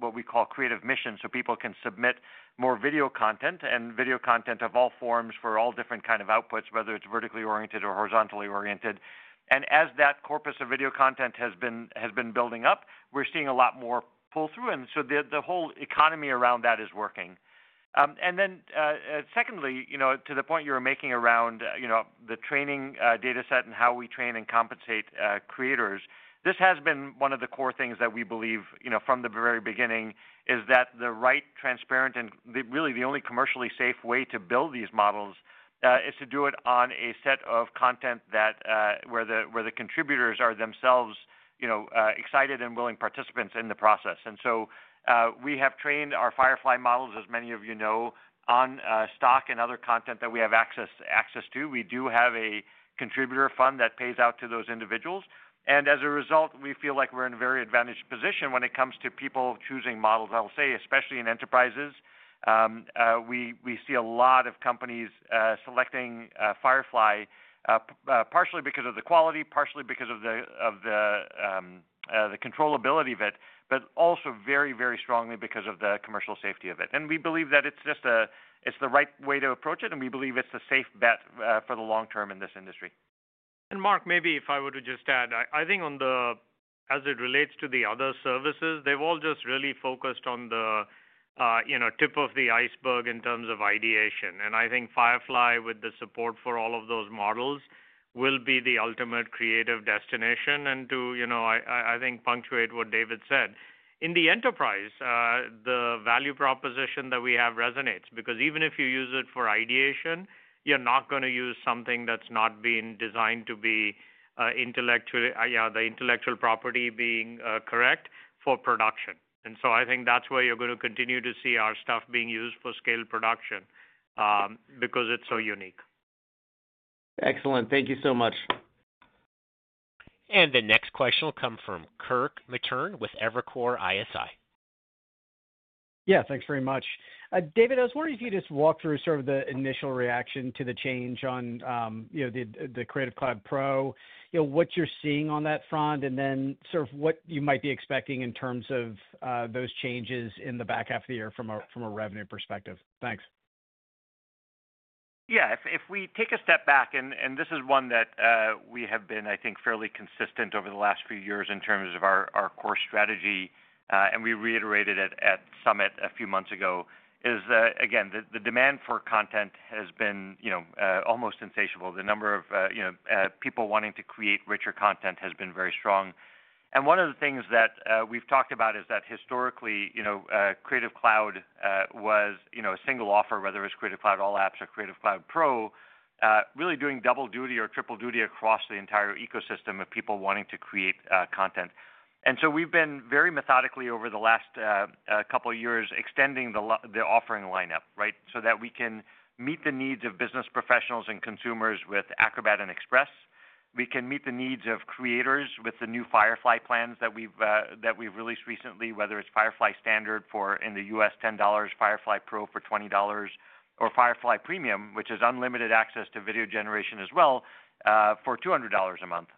what we call creative missions so people can submit more video content and video content of all forms for all different kinds of outputs, whether it's vertically oriented or horizontally oriented. As that corpus of video content has been building up, we're seeing a lot more pull-through, and the whole economy around that is working. To the point you were making around the training data set and how we train and compensate creators, this has been one of the core things that we believe from the very beginning is that the right, transparent, and really the only commercially safe way to build these models is to do it on a set of content where the contributors are themselves excited and willing participants in the process. We have trained our Firefly models, as many of you know, on stock and other content that we have access to. We do have a contributor fund that pays out to those individuals. As a result, we feel like we are in a very advantaged position when it comes to people choosing models. I'll say, especially in enterprises, we see a lot of companies selecting Firefly partially because of the quality, partially because of the controllability of it, but also very, very strongly because of the commercial safety of it. We believe that it's just the right way to approach it, and we believe it's a safe bet for the long term in this industry. Mark, maybe if I were to just add, I think as it relates to the other services, they've all just really focused on the tip of the iceberg in terms of ideation. I think Firefly, with the support for all of those models, will be the ultimate creative destination. To, I think, punctuate what David said, in the enterprise, the value proposition that we have resonates because even if you use it for ideation, you're not going to use something that's not been designed to be the intellectual property being correct for production. I think that's where you're going to continue to see our stuff being used for scale production because it's so unique. Excellent. Thank you so much. The next question will come from Kirk Materne with Evercore ISI. Yeah, thanks very much. David, I was wondering if you could just walk through sort of the initial reaction to the change on the Creative Cloud Pro, what you're seeing on that front, and then sort of what you might be expecting in terms of those changes in the back half of the year from a revenue perspective. Thanks. Yeah, if we take a step back, and this is one that we have been, I think, fairly consistent over the last few years in terms of our core strategy, and we reiterated at Summit a few months ago, is, again, the demand for content has been almost insatiable. The number of people wanting to create richer content has been very strong. One of the things that we've talked about is that historically, Creative Cloud was a single offer, whether it was Creative Cloud All Apps or Creative Cloud Pro, really doing double duty or triple duty across the entire ecosystem of people wanting to create content. We have been very methodically over the last couple of years extending the offering lineup, right, so that we can meet the needs of business professionals and consumers with Acrobat and Express. We can meet the needs of creators with the new Firefly plans that we've released recently, whether it's Firefly Standard for $10, Firefly Pro for $20, or Firefly Premium, which has unlimited access to video generation as well for $200 a month.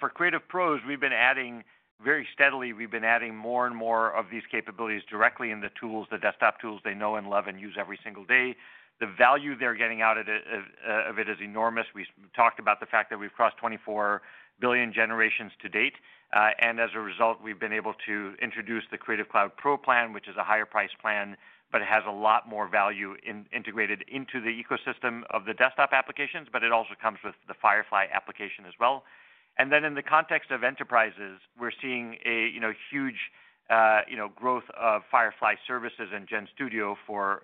For Creative Pros, we've been adding very steadily, we've been adding more and more of these capabilities directly in the tools, the desktop tools they know and love and use every single day. The value they're getting out of it is enormous. We talked about the fact that we've crossed 24 billion generations to date. As a result, we've been able to introduce the Creative Cloud Pro plan, which is a higher-priced plan, but it has a lot more value integrated into the ecosystem of the desktop applications, but it also comes with the Firefly application as well. In the context of enterprises, we're seeing a huge growth of Firefly Services and GenStudio for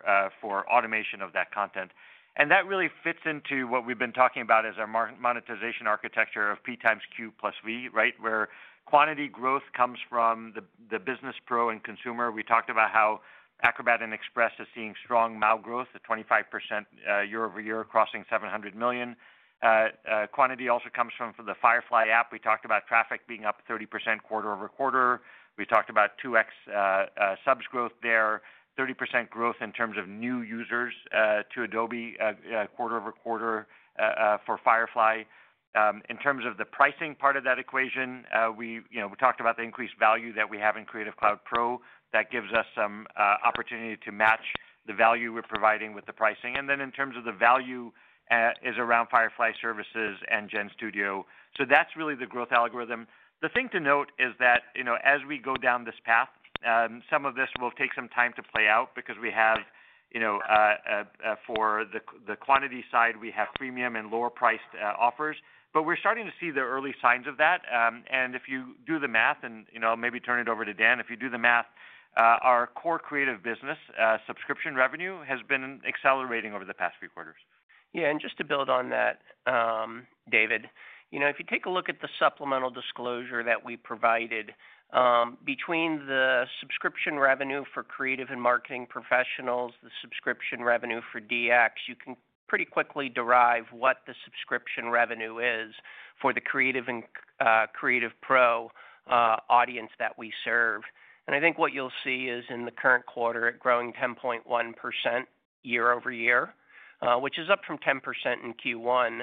automation of that content. That really fits into what we've been talking about as our monetization architecture of PxQ plus V, right, where quantity growth comes from the business, pro, and consumer. We talked about how Acrobat and Express are seeing strong MAU growth, the 25% year over year crossing 700 million. Quantity also comes from the Firefly App. We talked about traffic being up 30% quarter-over-quarter. We talked about 2x subs growth there, 30% growth in terms of new users to Adobe quarter-over-quarter for Firefly. In terms of the pricing part of that equation, we talked about the increased value that we have in Creative Cloud Pro that gives us some opportunity to match the value we're providing with the pricing. In terms of the value is around Firefly Services and GenStudio. That is really the growth algorithm. The thing to note is that as we go down this path, some of this will take some time to play out because we have for the quantity side, we have premium and lower-priced offers, but we are starting to see the early signs of that. If you do the math, and I will maybe turn it over to Dan, if you do the math, our core creative business subscription revenue has been accelerating over the past few quarters. Yeah, and just to build on that, David, if you take a look at the supplemental disclosure that we provided, between the subscription revenue for creative and marketing professionals, the subscription revenue for DX, you can pretty quickly derive what the subscription revenue is for the Creative and Creative Pro audience that we serve. I think what you'll see is in the current quarter, it's growing 10.1% year over year, which is up from 10% in Q1.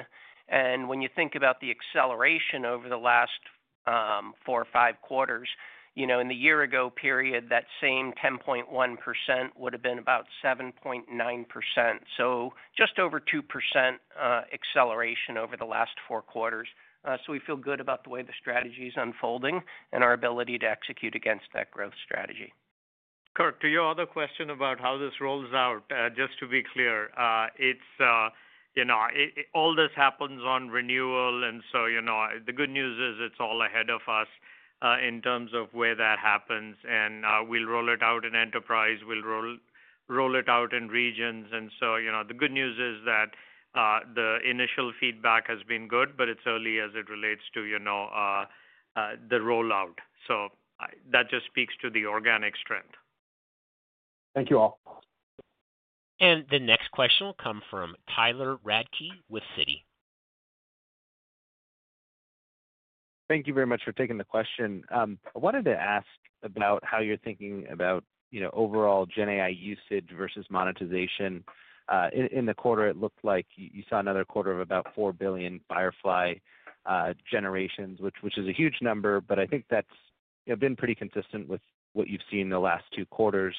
When you think about the acceleration over the last four or five quarters, in the year-ago period, that same 10.1% would have been about 7.9%. Just over 2% acceleration over the last four quarters. We feel good about the way the strategy is unfolding and our ability to execute against that growth strategy. Kirk, to your other question about how this rolls out, just to be clear, all this happens on renewal. The good news is it's all ahead of us in terms of where that happens. We'll roll it out in enterprise. We'll roll it out in regions. The good news is that the initial feedback has been good, but it's early as it relates to the rollout. That just speaks to the organic strength. Thank you all. The next question will come from Tyler Radke with Citi. Thank you very much for taking the question. I wanted to ask about how you're thinking about overall Gen AI usage versus monetization. In the quarter, it looked like you saw another quarter of about 4 billion Firefly generations, which is a huge number, but I think that's been pretty consistent with what you've seen the last two quarters.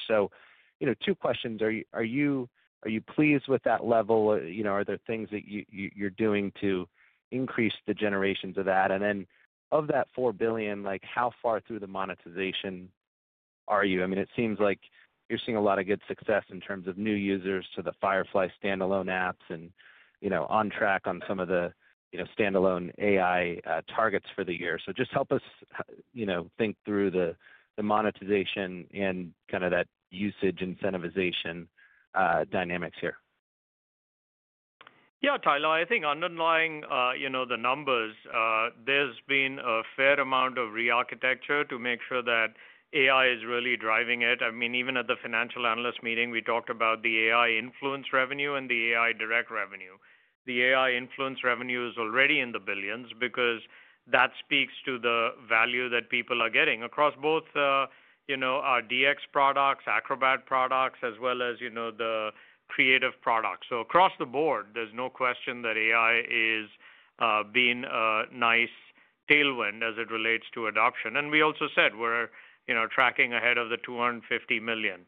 Two questions. Are you pleased with that level? Are there things that you're doing to increase the generations of that? Of that 4 billion, how far through the monetization are you? I mean, it seems like you're seeing a lot of good success in terms of new users to the Firefly standalone apps and on track on some of the standalone AI targets for the year. Just help us think through the monetization and kind of that usage incentivization dynamics here. Yeah, Tyler, I think underlying the numbers, there's been a fair amount of re-architecture to make sure that AI is really driving it. I mean, even at the financial analyst meeting, we talked about the AI influence revenue and the AI direct revenue. The AI influence revenue is already in the billions because that speaks to the value that people are getting across both our DX products, Acrobat products, as well as the creative products. Across the board, there's no question that AI is being a nice tailwind as it relates to adoption. We also said we're tracking ahead of the $250 million.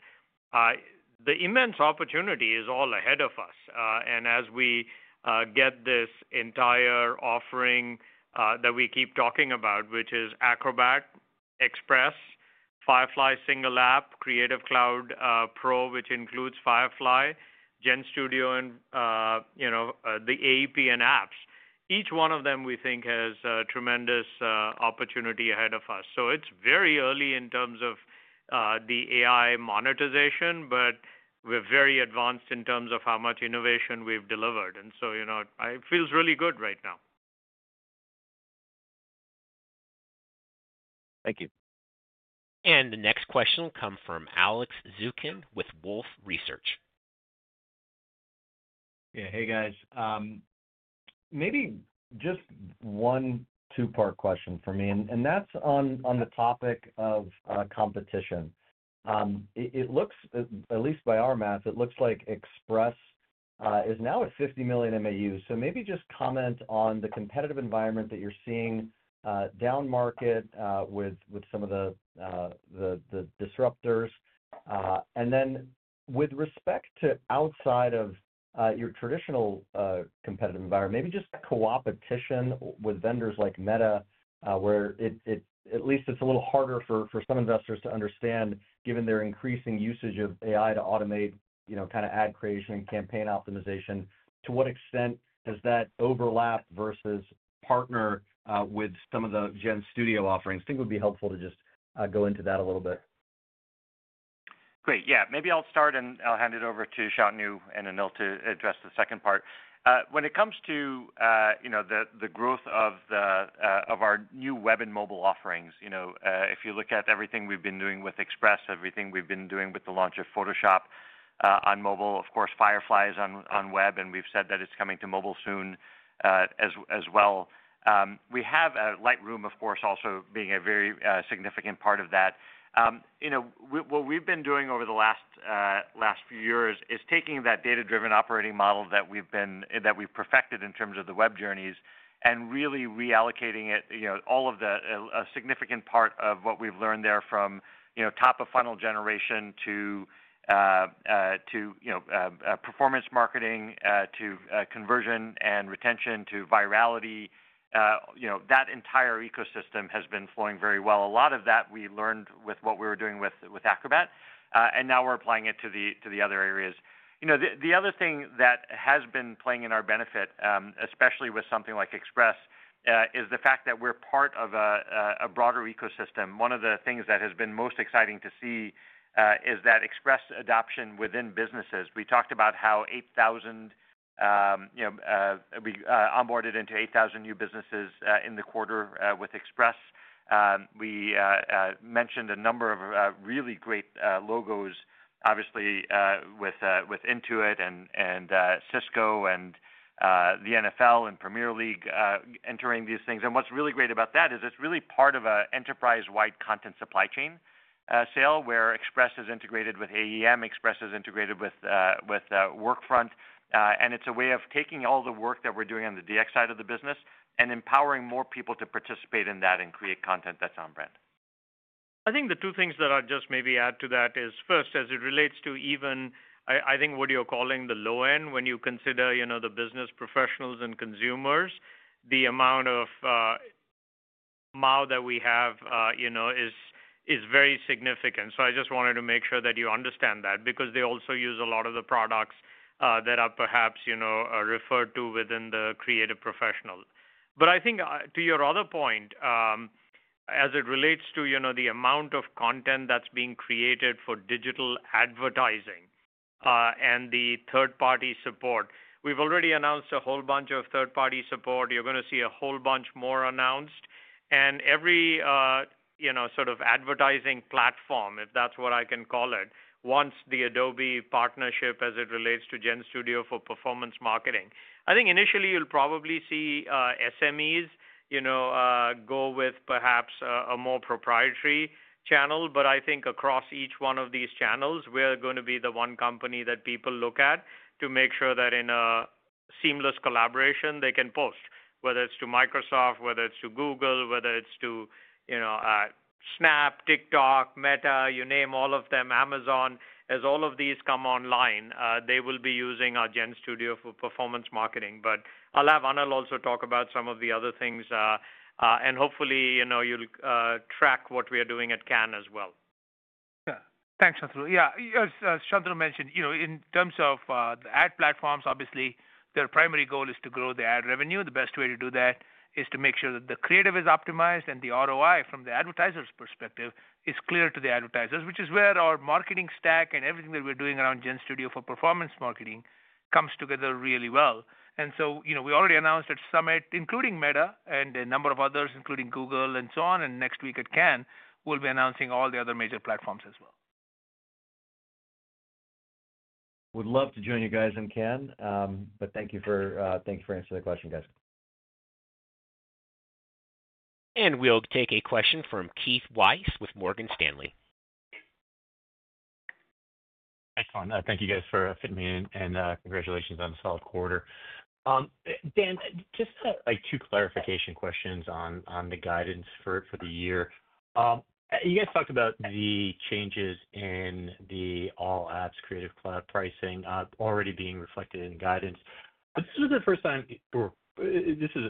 The immense opportunity is all ahead of us. As we get this entire offering that we keep talking about, which is Acrobat, Express, Firefly single app, Creative Cloud Pro, which includes Firefly, GenStudio, and the APN apps, each one of them we think has tremendous opportunity ahead of us. It is very early in terms of the AI monetization, but we are very advanced in terms of how much innovation we have delivered. It feels really good right now. Thank you. The next question will come from Alex Zukin with Wolfe Research. Yeah, hey guys. Maybe just one two-part question for me. That is on the topic of competition. It looks, at least by our math, it looks like Express is now at 50 million MAU. Maybe just comment on the competitive environment that you are seeing down market with some of the disruptors. With respect to outside of your traditional competitive environment, maybe just co-opetition with vendors like Meta, where at least it is a little harder for some investors to understand, given their increasing usage of AI to automate kind of ad creation and campaign optimization, to what extent does that overlap versus partner with some of the GenStudio offerings? I think it would be helpful to just go into that a little bit. Great. Yeah, maybe I'll start and I'll hand it over to Shantanu and Anil to address the second part. When it comes to the growth of our new web and mobile offerings, if you look at everything we've been doing with Express, everything we've been doing with the launch of Photoshop Mobile, of course, Firefly is on web, and we've said that it's coming to mobile soon as well. We have Lightroom, of course, also being a very significant part of that. What we've been doing over the last few years is taking that data-driven operating model that we've perfected in terms of the web journeys and really reallocating it, all of the significant part of what we've learned there from top of funnel generation to performance marketing to conversion and retention to virality. That entire ecosystem has been flowing very well. A lot of that we learned with what we were doing with Acrobat, and now we're applying it to the other areas. The other thing that has been playing in our benefit, especially with something like Express, is the fact that we're part of a broader ecosystem. One of the things that has been most exciting to see is that Express adoption within businesses. We talked about how 8,000 onboarded into 8,000 new businesses in the quarter with Express. We mentioned a number of really great logos, obviously, with Intuit and Cisco and the NFL and Premier League entering these things. What's really great about that is it's really part of an enterprise-wide content supply chain sale where Express is integrated with AEM, Express is integrated with Workfront, and it's a way of taking all the work that we're doing on the DX side of the business and empowering more people to participate in that and create content that's on-brand. I think the two things that I'd just maybe add to that is, first, as it relates to even, I think, what you're calling the low end, when you consider the business professionals and consumers, the amount of MAU that we have is very significant. I just wanted to make sure that you understand that because they also use a lot of the products that are perhaps referred to within the creative professional. I think to your other point, as it relates to the amount of content that's being created for digital advertising and the third-party support, we've already announced a whole bunch of third-party support. You're going to see a whole bunch more announced. Every sort of advertising platform, if that's what I can call it, wants the Adobe partnership as it relates to GenStudio for performance marketing. I think initially you'll probably see SMEs go with perhaps a more proprietary channel, but I think across each one of these channels, we're going to be the one company that people look at to make sure that in a seamless collaboration, they can post, whether it's to Microsoft, whether it's to Google, whether it's to Snap, TikTok, Meta, you name all of them, Amazon. As all of these come online, they will be using our GenStudio for performance marketing. I'll have Anil also talk about some of the other things, and hopefully you'll track what we are doing at Cannes as well. Yeah, thanks, Shantanu. Yeah, as Shantanu mentioned, in terms of the ad platforms, obviously, their primary goal is to grow the ad revenue. The best way to do that is to make sure that the creative is optimized and the ROI from the advertisers' perspective is clear to the advertisers, which is where our marketing stack and everything that we are doing around GenStudio for performance marketing comes together really well. We already announced at Summit, including Meta and a number of others, including Google and so on, and next week at Cannes, we will be announcing all the other major platforms as well. Would love to join you guys in Cannes, but thank you for answering the question, guys. We will take a question from Keith Weiss with Morgan Stanley. Excellent. Thank you guys for fitting me in, and congratulations on a solid quarter. Dan, just two clarification questions on the guidance for the year. You guys talked about the changes in the all-apps Creative Cloud pricing already being reflected in guidance. This is not the first time or this is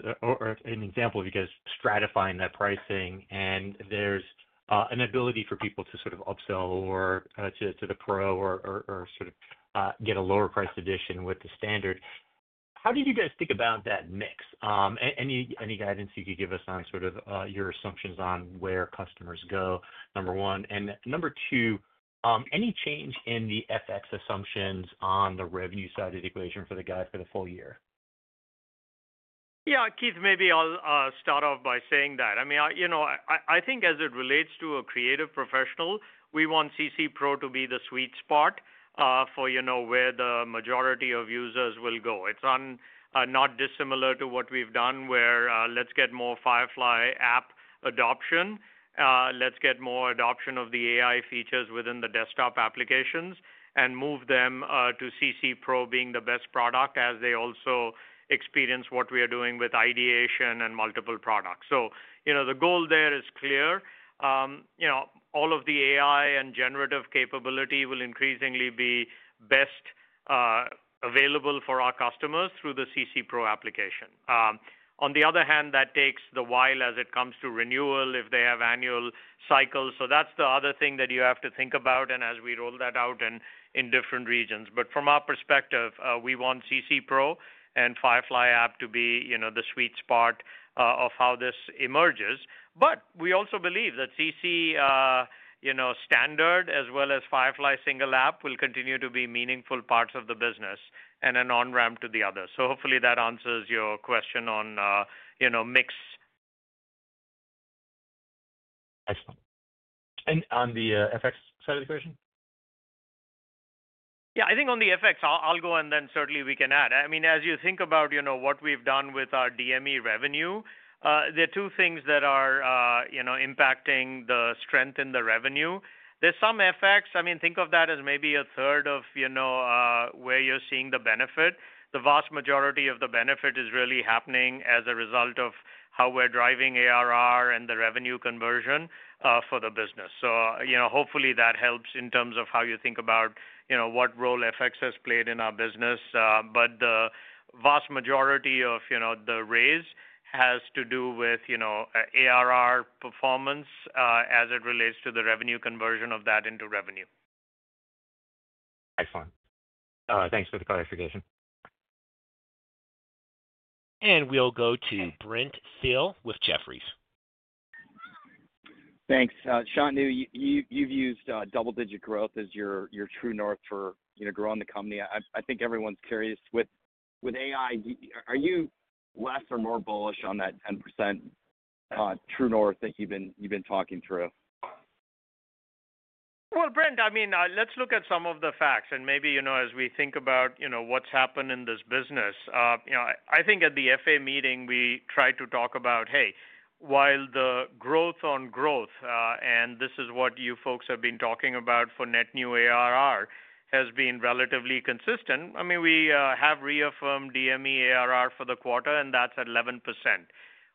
an example of you guys stratifying that pricing, and there is an ability for people to sort of upsell or to the Pro or sort of get a lower-priced edition with the standard. How did you guys think about that mix? Any guidance you could give us on sort of your assumptions on where customers go, number one? And number two, any change in the FX assumptions on the revenue side of the equation for the guide for the full year? Yeah, Keith, maybe I'll start off by saying that. I mean, I think as it relates to a creative professional, we want CC Pro to be the sweet spot for where the majority of users will go. It's not dissimilar to what we've done where let's get more Firefly app adoption. Let's get more adoption of the AI features within the desktop applications and move them to CC Pro being the best product as they also experience what we are doing with ideation and multiple products. The goal there is clear. All of the AI and generative capability will increasingly be best available for our customers through the CC Pro application. On the other hand, that takes a while as it comes to renewal if they have annual cycles. That's the other thing that you have to think about as we roll that out in different regions. From our perspective, we want CC Pro and Firefly app to be the sweet spot of how this emerges. We also believe that CC standard as well as Firefly single app will continue to be meaningful parts of the business and an on-ramp to the others. Hopefully that answers your question on mix. Excellent. On the FX side of the equation? Yeah, I think on the FX, I'll go and then certainly we can add. I mean, as you think about what we've done with our DME revenue, there are two things that are impacting the strength in the revenue. There's some FX. I mean, think of that as maybe a third of where you're seeing the benefit. The vast majority of the benefit is really happening as a result of how we're driving ARR and the revenue conversion for the business. Hopefully that helps in terms of how you think about what role FX has played in our business. The vast majority of the raise has to do with ARR performance as it relates to the revenue conversion of that into revenue. Excellent. Thanks for the clarification. We will go to Brent Thill with Jefferies. Thanks. Shantanu, you've used double-digit growth as your true north for growing the company. I think everyone's curious with AI, are you less or more bullish on that 10% true north that you've been talking through? Brent, I mean, let's look at some of the facts and maybe as we think about what's happened in this business. I think at the FA meeting, we tried to talk about, hey, while the growth on growth, and this is what you folks have been talking about for net new ARR, has been relatively consistent, I mean, we have reaffirmed DME ARR for the quarter and that's at 11%.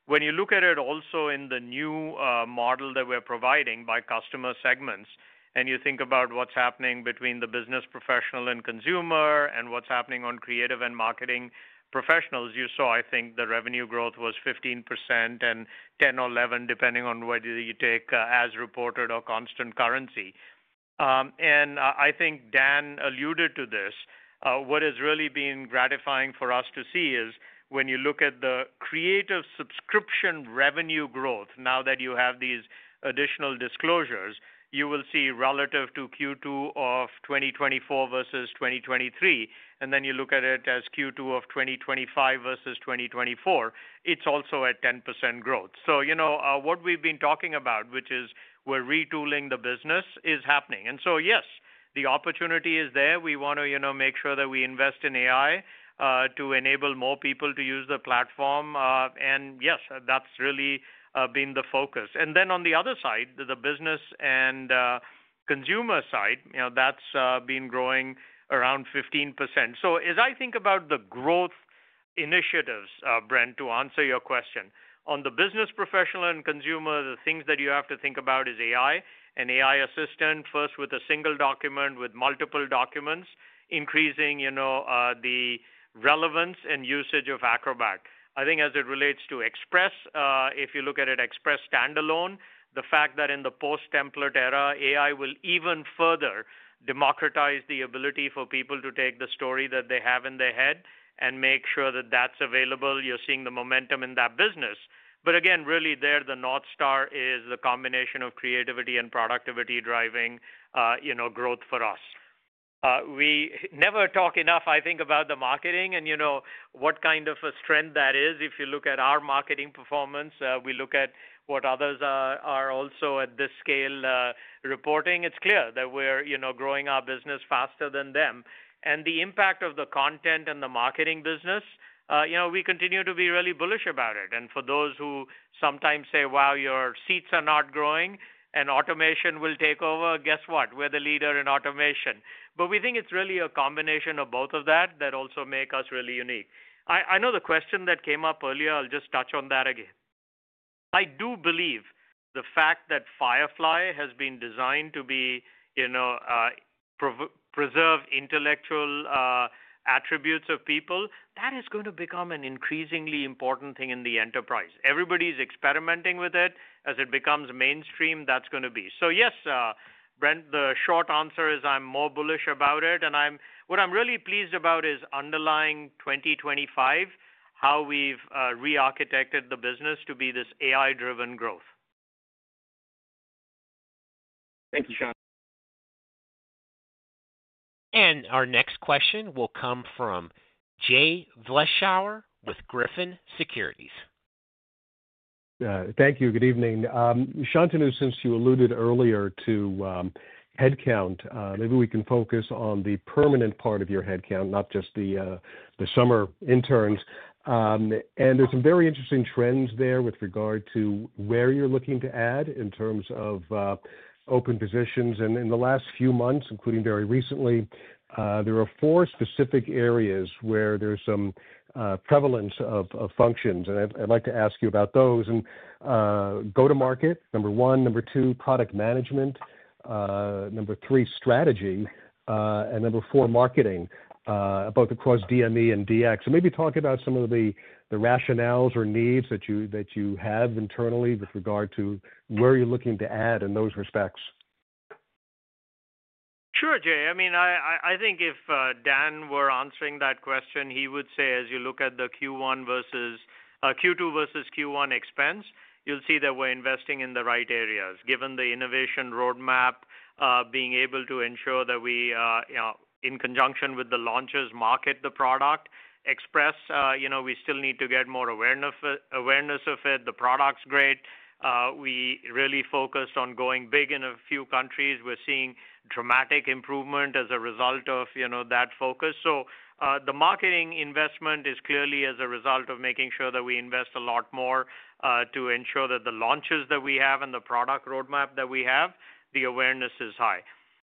When you look at it also in the new model that we're providing by customer segments, and you think about what's happening between the business professional and consumer and what's happening on creative and marketing professionals, you saw, I think, the revenue growth was 15% and 10% or 11%, depending on whether you take as reported or constant currency. I think Dan alluded to this. What has really been gratifying for us to see is when you look at the creative subscription revenue growth, now that you have these additional disclosures, you will see relative to Q2 of 2024 versus 2023, and then you look at it as Q2 of 2025 versus 2024, it's also at 10% growth. What we've been talking about, which is we're retooling the business, is happening. Yes, the opportunity is there. We want to make sure that we invest in AI to enable more people to use the platform. Yes, that's really been the focus. On the other side, the business and consumer side, that's been growing around 15%. As I think about the growth initiatives, Brent, to answer your question, on the business professional and consumer, the things that you have to think about is AI and AI assistant, first with a single document, with multiple documents, increasing the relevance and usage of Acrobat. I think as it relates to Express, if you look at it, Express standalone, the fact that in the post-template era, AI will even further democratize the ability for people to take the story that they have in their head and make sure that that's available. You're seeing the momentum in that business. Again, really there, the North Star is the combination of creativity and productivity driving growth for us. We never talk enough, I think, about the marketing and what kind of a strength that is. If you look at our marketing performance, we look at what others are also at this scale reporting. It is clear that we are growing our business faster than them. The impact of the content and the marketing business, we continue to be really bullish about it. For those who sometimes say, "Wow, your seats are not growing and automation will take over," guess what? We are the leader in automation. We think it is really a combination of both of that that also makes us really unique. I know the question that came up earlier, I will just touch on that again. I do believe the fact that Firefly has been designed to preserve intellectual attributes of people, that is going to become an increasingly important thing in the enterprise. Everybody is experimenting with it. As it becomes mainstream, that is going to be. Yes, Brent, the short answer is I'm more bullish about it. What I'm really pleased about is underlying 2025, how we've re-architected the business to be this AI-driven growth. Thank you, Shantanu. Our next question will come from Jay Vleeschhouwer with Griffin Securities. Thank you. Good evening. Shantanu, since you alluded earlier to headcount, maybe we can focus on the permanent part of your headcount, not just the summer interns. There are some very interesting trends there with regard to where you're looking to add in terms of open positions. In the last few months, including very recently, there are four specific areas where there's some prevalence of functions. I'd like to ask you about those. Go-to-market, number one. Number two, product management. Number three, strategy. Number four, marketing, both across DME and DX. Maybe talk about some of the rationales or needs that you have internally with regard to where you're looking to add in those respects. Sure, Jay. I mean, I think if Dan were answering that question, he would say as you look at the Q1 versus Q2 versus Q1 expense, you will see that we are investing in the right areas. Given the innovation roadmap, being able to ensure that we, in conjunction with the launches, market the product. Express, we still need to get more awareness of it. The product is great. We really focused on going big in a few countries. We are seeing dramatic improvement as a result of that focus. The marketing investment is clearly as a result of making sure that we invest a lot more to ensure that the launches that we have and the product roadmap that we have, the awareness is high.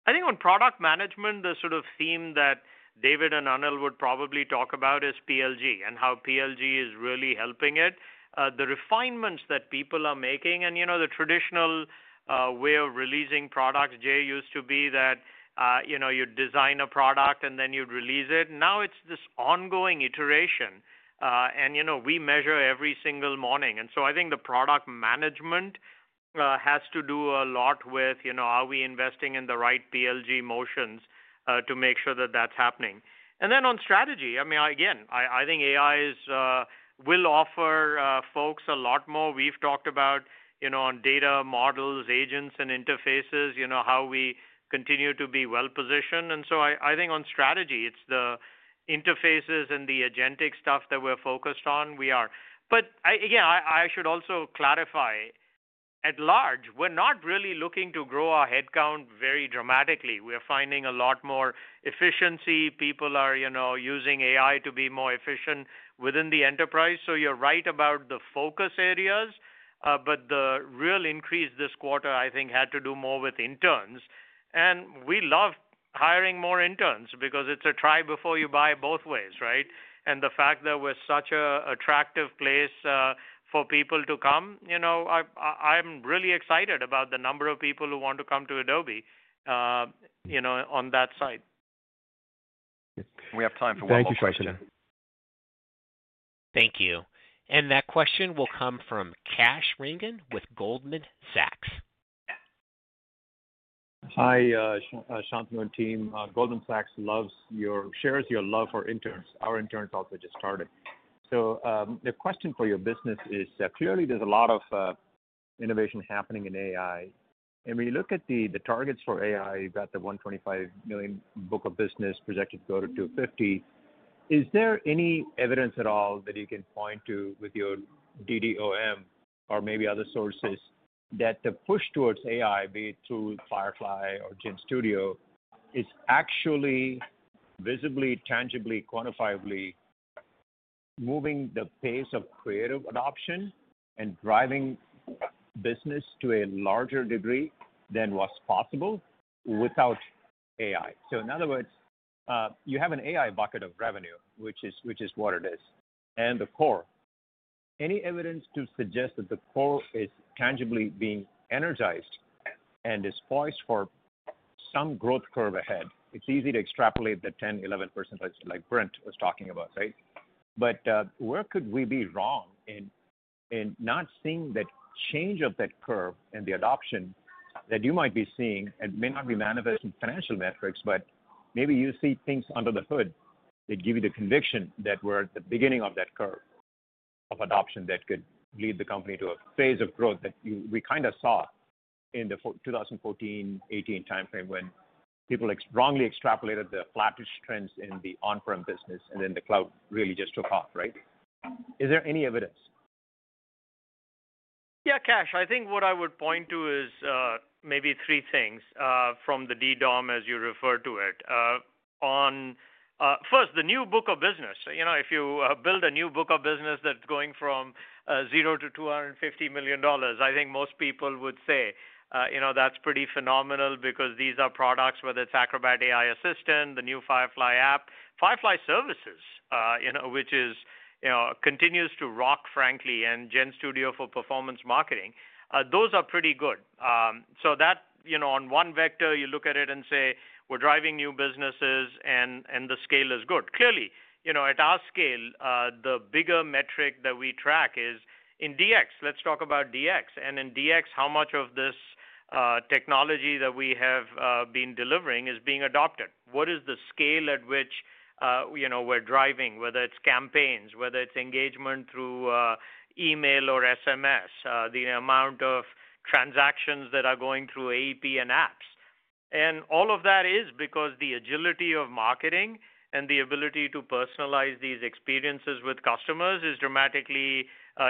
I think on product management, the sort of theme that David and Anil would probably talk about is PLG and how PLG is really helping it. The refinements that people are making and the traditional way of releasing products, Jay, used to be that you'd design a product and then you'd release it. Now it's this ongoing iteration. We measure every single morning. I think the product management has to do a lot with are we investing in the right PLG motions to make sure that that's happening. On strategy, I mean, again, I think AI will offer folks a lot more. We've talked about on data models, agents, and interfaces, how we continue to be well-positioned. I think on strategy, it's the interfaces and the agentic stuff that we're focused on. We are. I should also clarify, at large, we're not really looking to grow our headcount very dramatically. We are finding a lot more efficiency. People are using AI to be more efficient within the enterprise. You are right about the focus areas, but the real increase this quarter, I think, had to do more with interns. We love hiring more interns because it is a try before you buy both ways, right? The fact that we are such an attractive place for people to come, I am really excited about the number of people who want to come to Adobe on that side. We have time for one more question. Thank you, Shantanu. Thank you. That question will come from Kash Rangan with Goldman Sachs. Hi, Shantanu and team. Goldman Sachs shares your love for interns. Our interns also just started. The question for your business is clearly there's a lot of innovation happening in AI. When you look at the targets for AI, you've got the $125 million book of business projected to go to $250 million. Is there any evidence at all that you can point to with your DDOM or maybe other sources that the push towards AI, be it through Firefly or GenStudio, is actually visibly, tangibly, quantifiably moving the pace of creative adoption and driving business to a larger degree than was possible without AI? In other words, you have an AI bucket of revenue, which is what it is, and the core. Any evidence to suggest that the core is tangibly being energized and is poised for some growth curve ahead? It's easy to extrapolate the 10%-11% like Brent was talking about, right? But where could we be wrong in not seeing that change of that curve and the adoption that you might be seeing and may not be manifest in financial metrics, but maybe you see things under the hood that give you the conviction that we're at the beginning of that curve of adoption that could lead the company to a phase of growth that we kind of saw in the 2014-2018 timeframe when people strongly extrapolated the flattish trends in the on-prem business and then the cloud really just took off, right? Is there any evidence? Yeah, Kash, I think what I would point to is maybe three things from the DDOM as you refer to it. First, the new book of business. If you build a new book of business that's going from 0 to $250 million, I think most people would say that's pretty phenomenal because these are products, whether it's Acrobat AI Assistant, the new Firefly app, Firefly Services, which continues to rock, frankly, and GenStudio for performance marketing, those are pretty good. On one vector, you look at it and say, "We're driving new businesses and the scale is good." Clearly, at our scale, the bigger metric that we track is in DX. Let's talk about DX. In DX, how much of this technology that we have been delivering is being adopted? What is the scale at which we're driving, whether it's campaigns, whether it's engagement through email or SMS, the amount of transactions that are going through AEP and apps? All of that is because the agility of marketing and the ability to personalize these experiences with customers is dramatically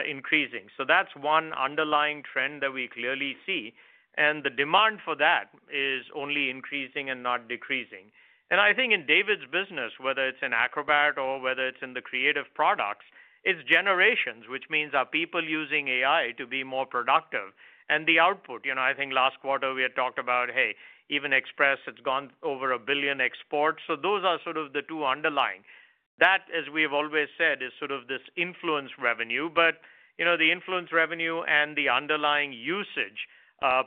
increasing. That is one underlying trend that we clearly see. The demand for that is only increasing and not decreasing. I think in David's business, whether it's in Acrobat or whether it's in the creative products, it's generations, which means are people using AI to be more productive? The output, I think last quarter we had talked about, hey, even Express, it's gone over a billion exports. Those are sort of the two underlying. That, as we have always said, is sort of this influence revenue. The influence revenue and the underlying usage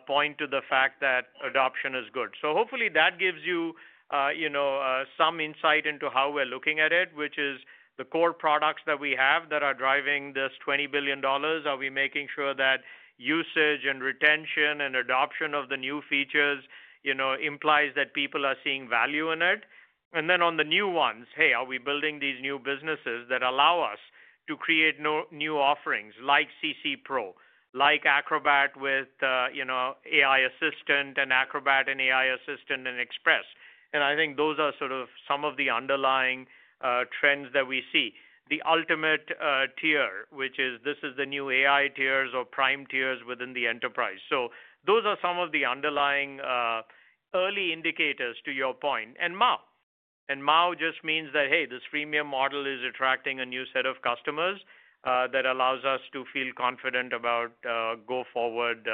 point to the fact that adoption is good. Hopefully that gives you some insight into how we're looking at it, which is the core products that we have that are driving this $20 billion. Are we making sure that usage and retention and adoption of the new features implies that people are seeing value in it? On the new ones, hey, are we building these new businesses that allow us to create new offerings like CC Pro, like Acrobat with AI Assistant and Acrobat and AI Assistant and Express? I think those are sort of some of the underlying trends that we see. The ultimate tier, which is the new AI tiers or prime tiers within the enterprise. Those are some of the underlying early indicators to your point. And MAU. MAU just means that, hey, this premium model is attracting a new set of customers that allows us to feel confident about go-forward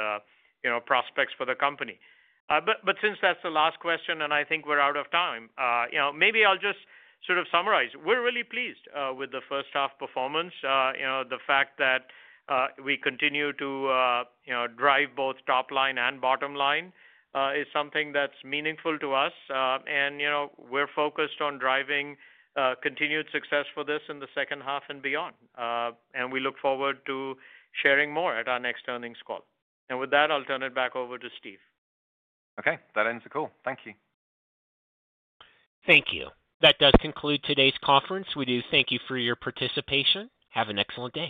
prospects for the company. Since that's the last question and I think we're out of time, maybe I'll just sort of summarize. We're really pleased with the first half performance. The fact that we continue to drive both top line and bottom line is something that's meaningful to us. We're focused on driving continued success for this in the second half and beyond. We look forward to sharing more at our next earnings call. With that, I'll turn it back over to Steve. Okay. That ends the call. Thank you. Thank you. That does conclude today's conference. We do thank you for your participation. Have an excellent day.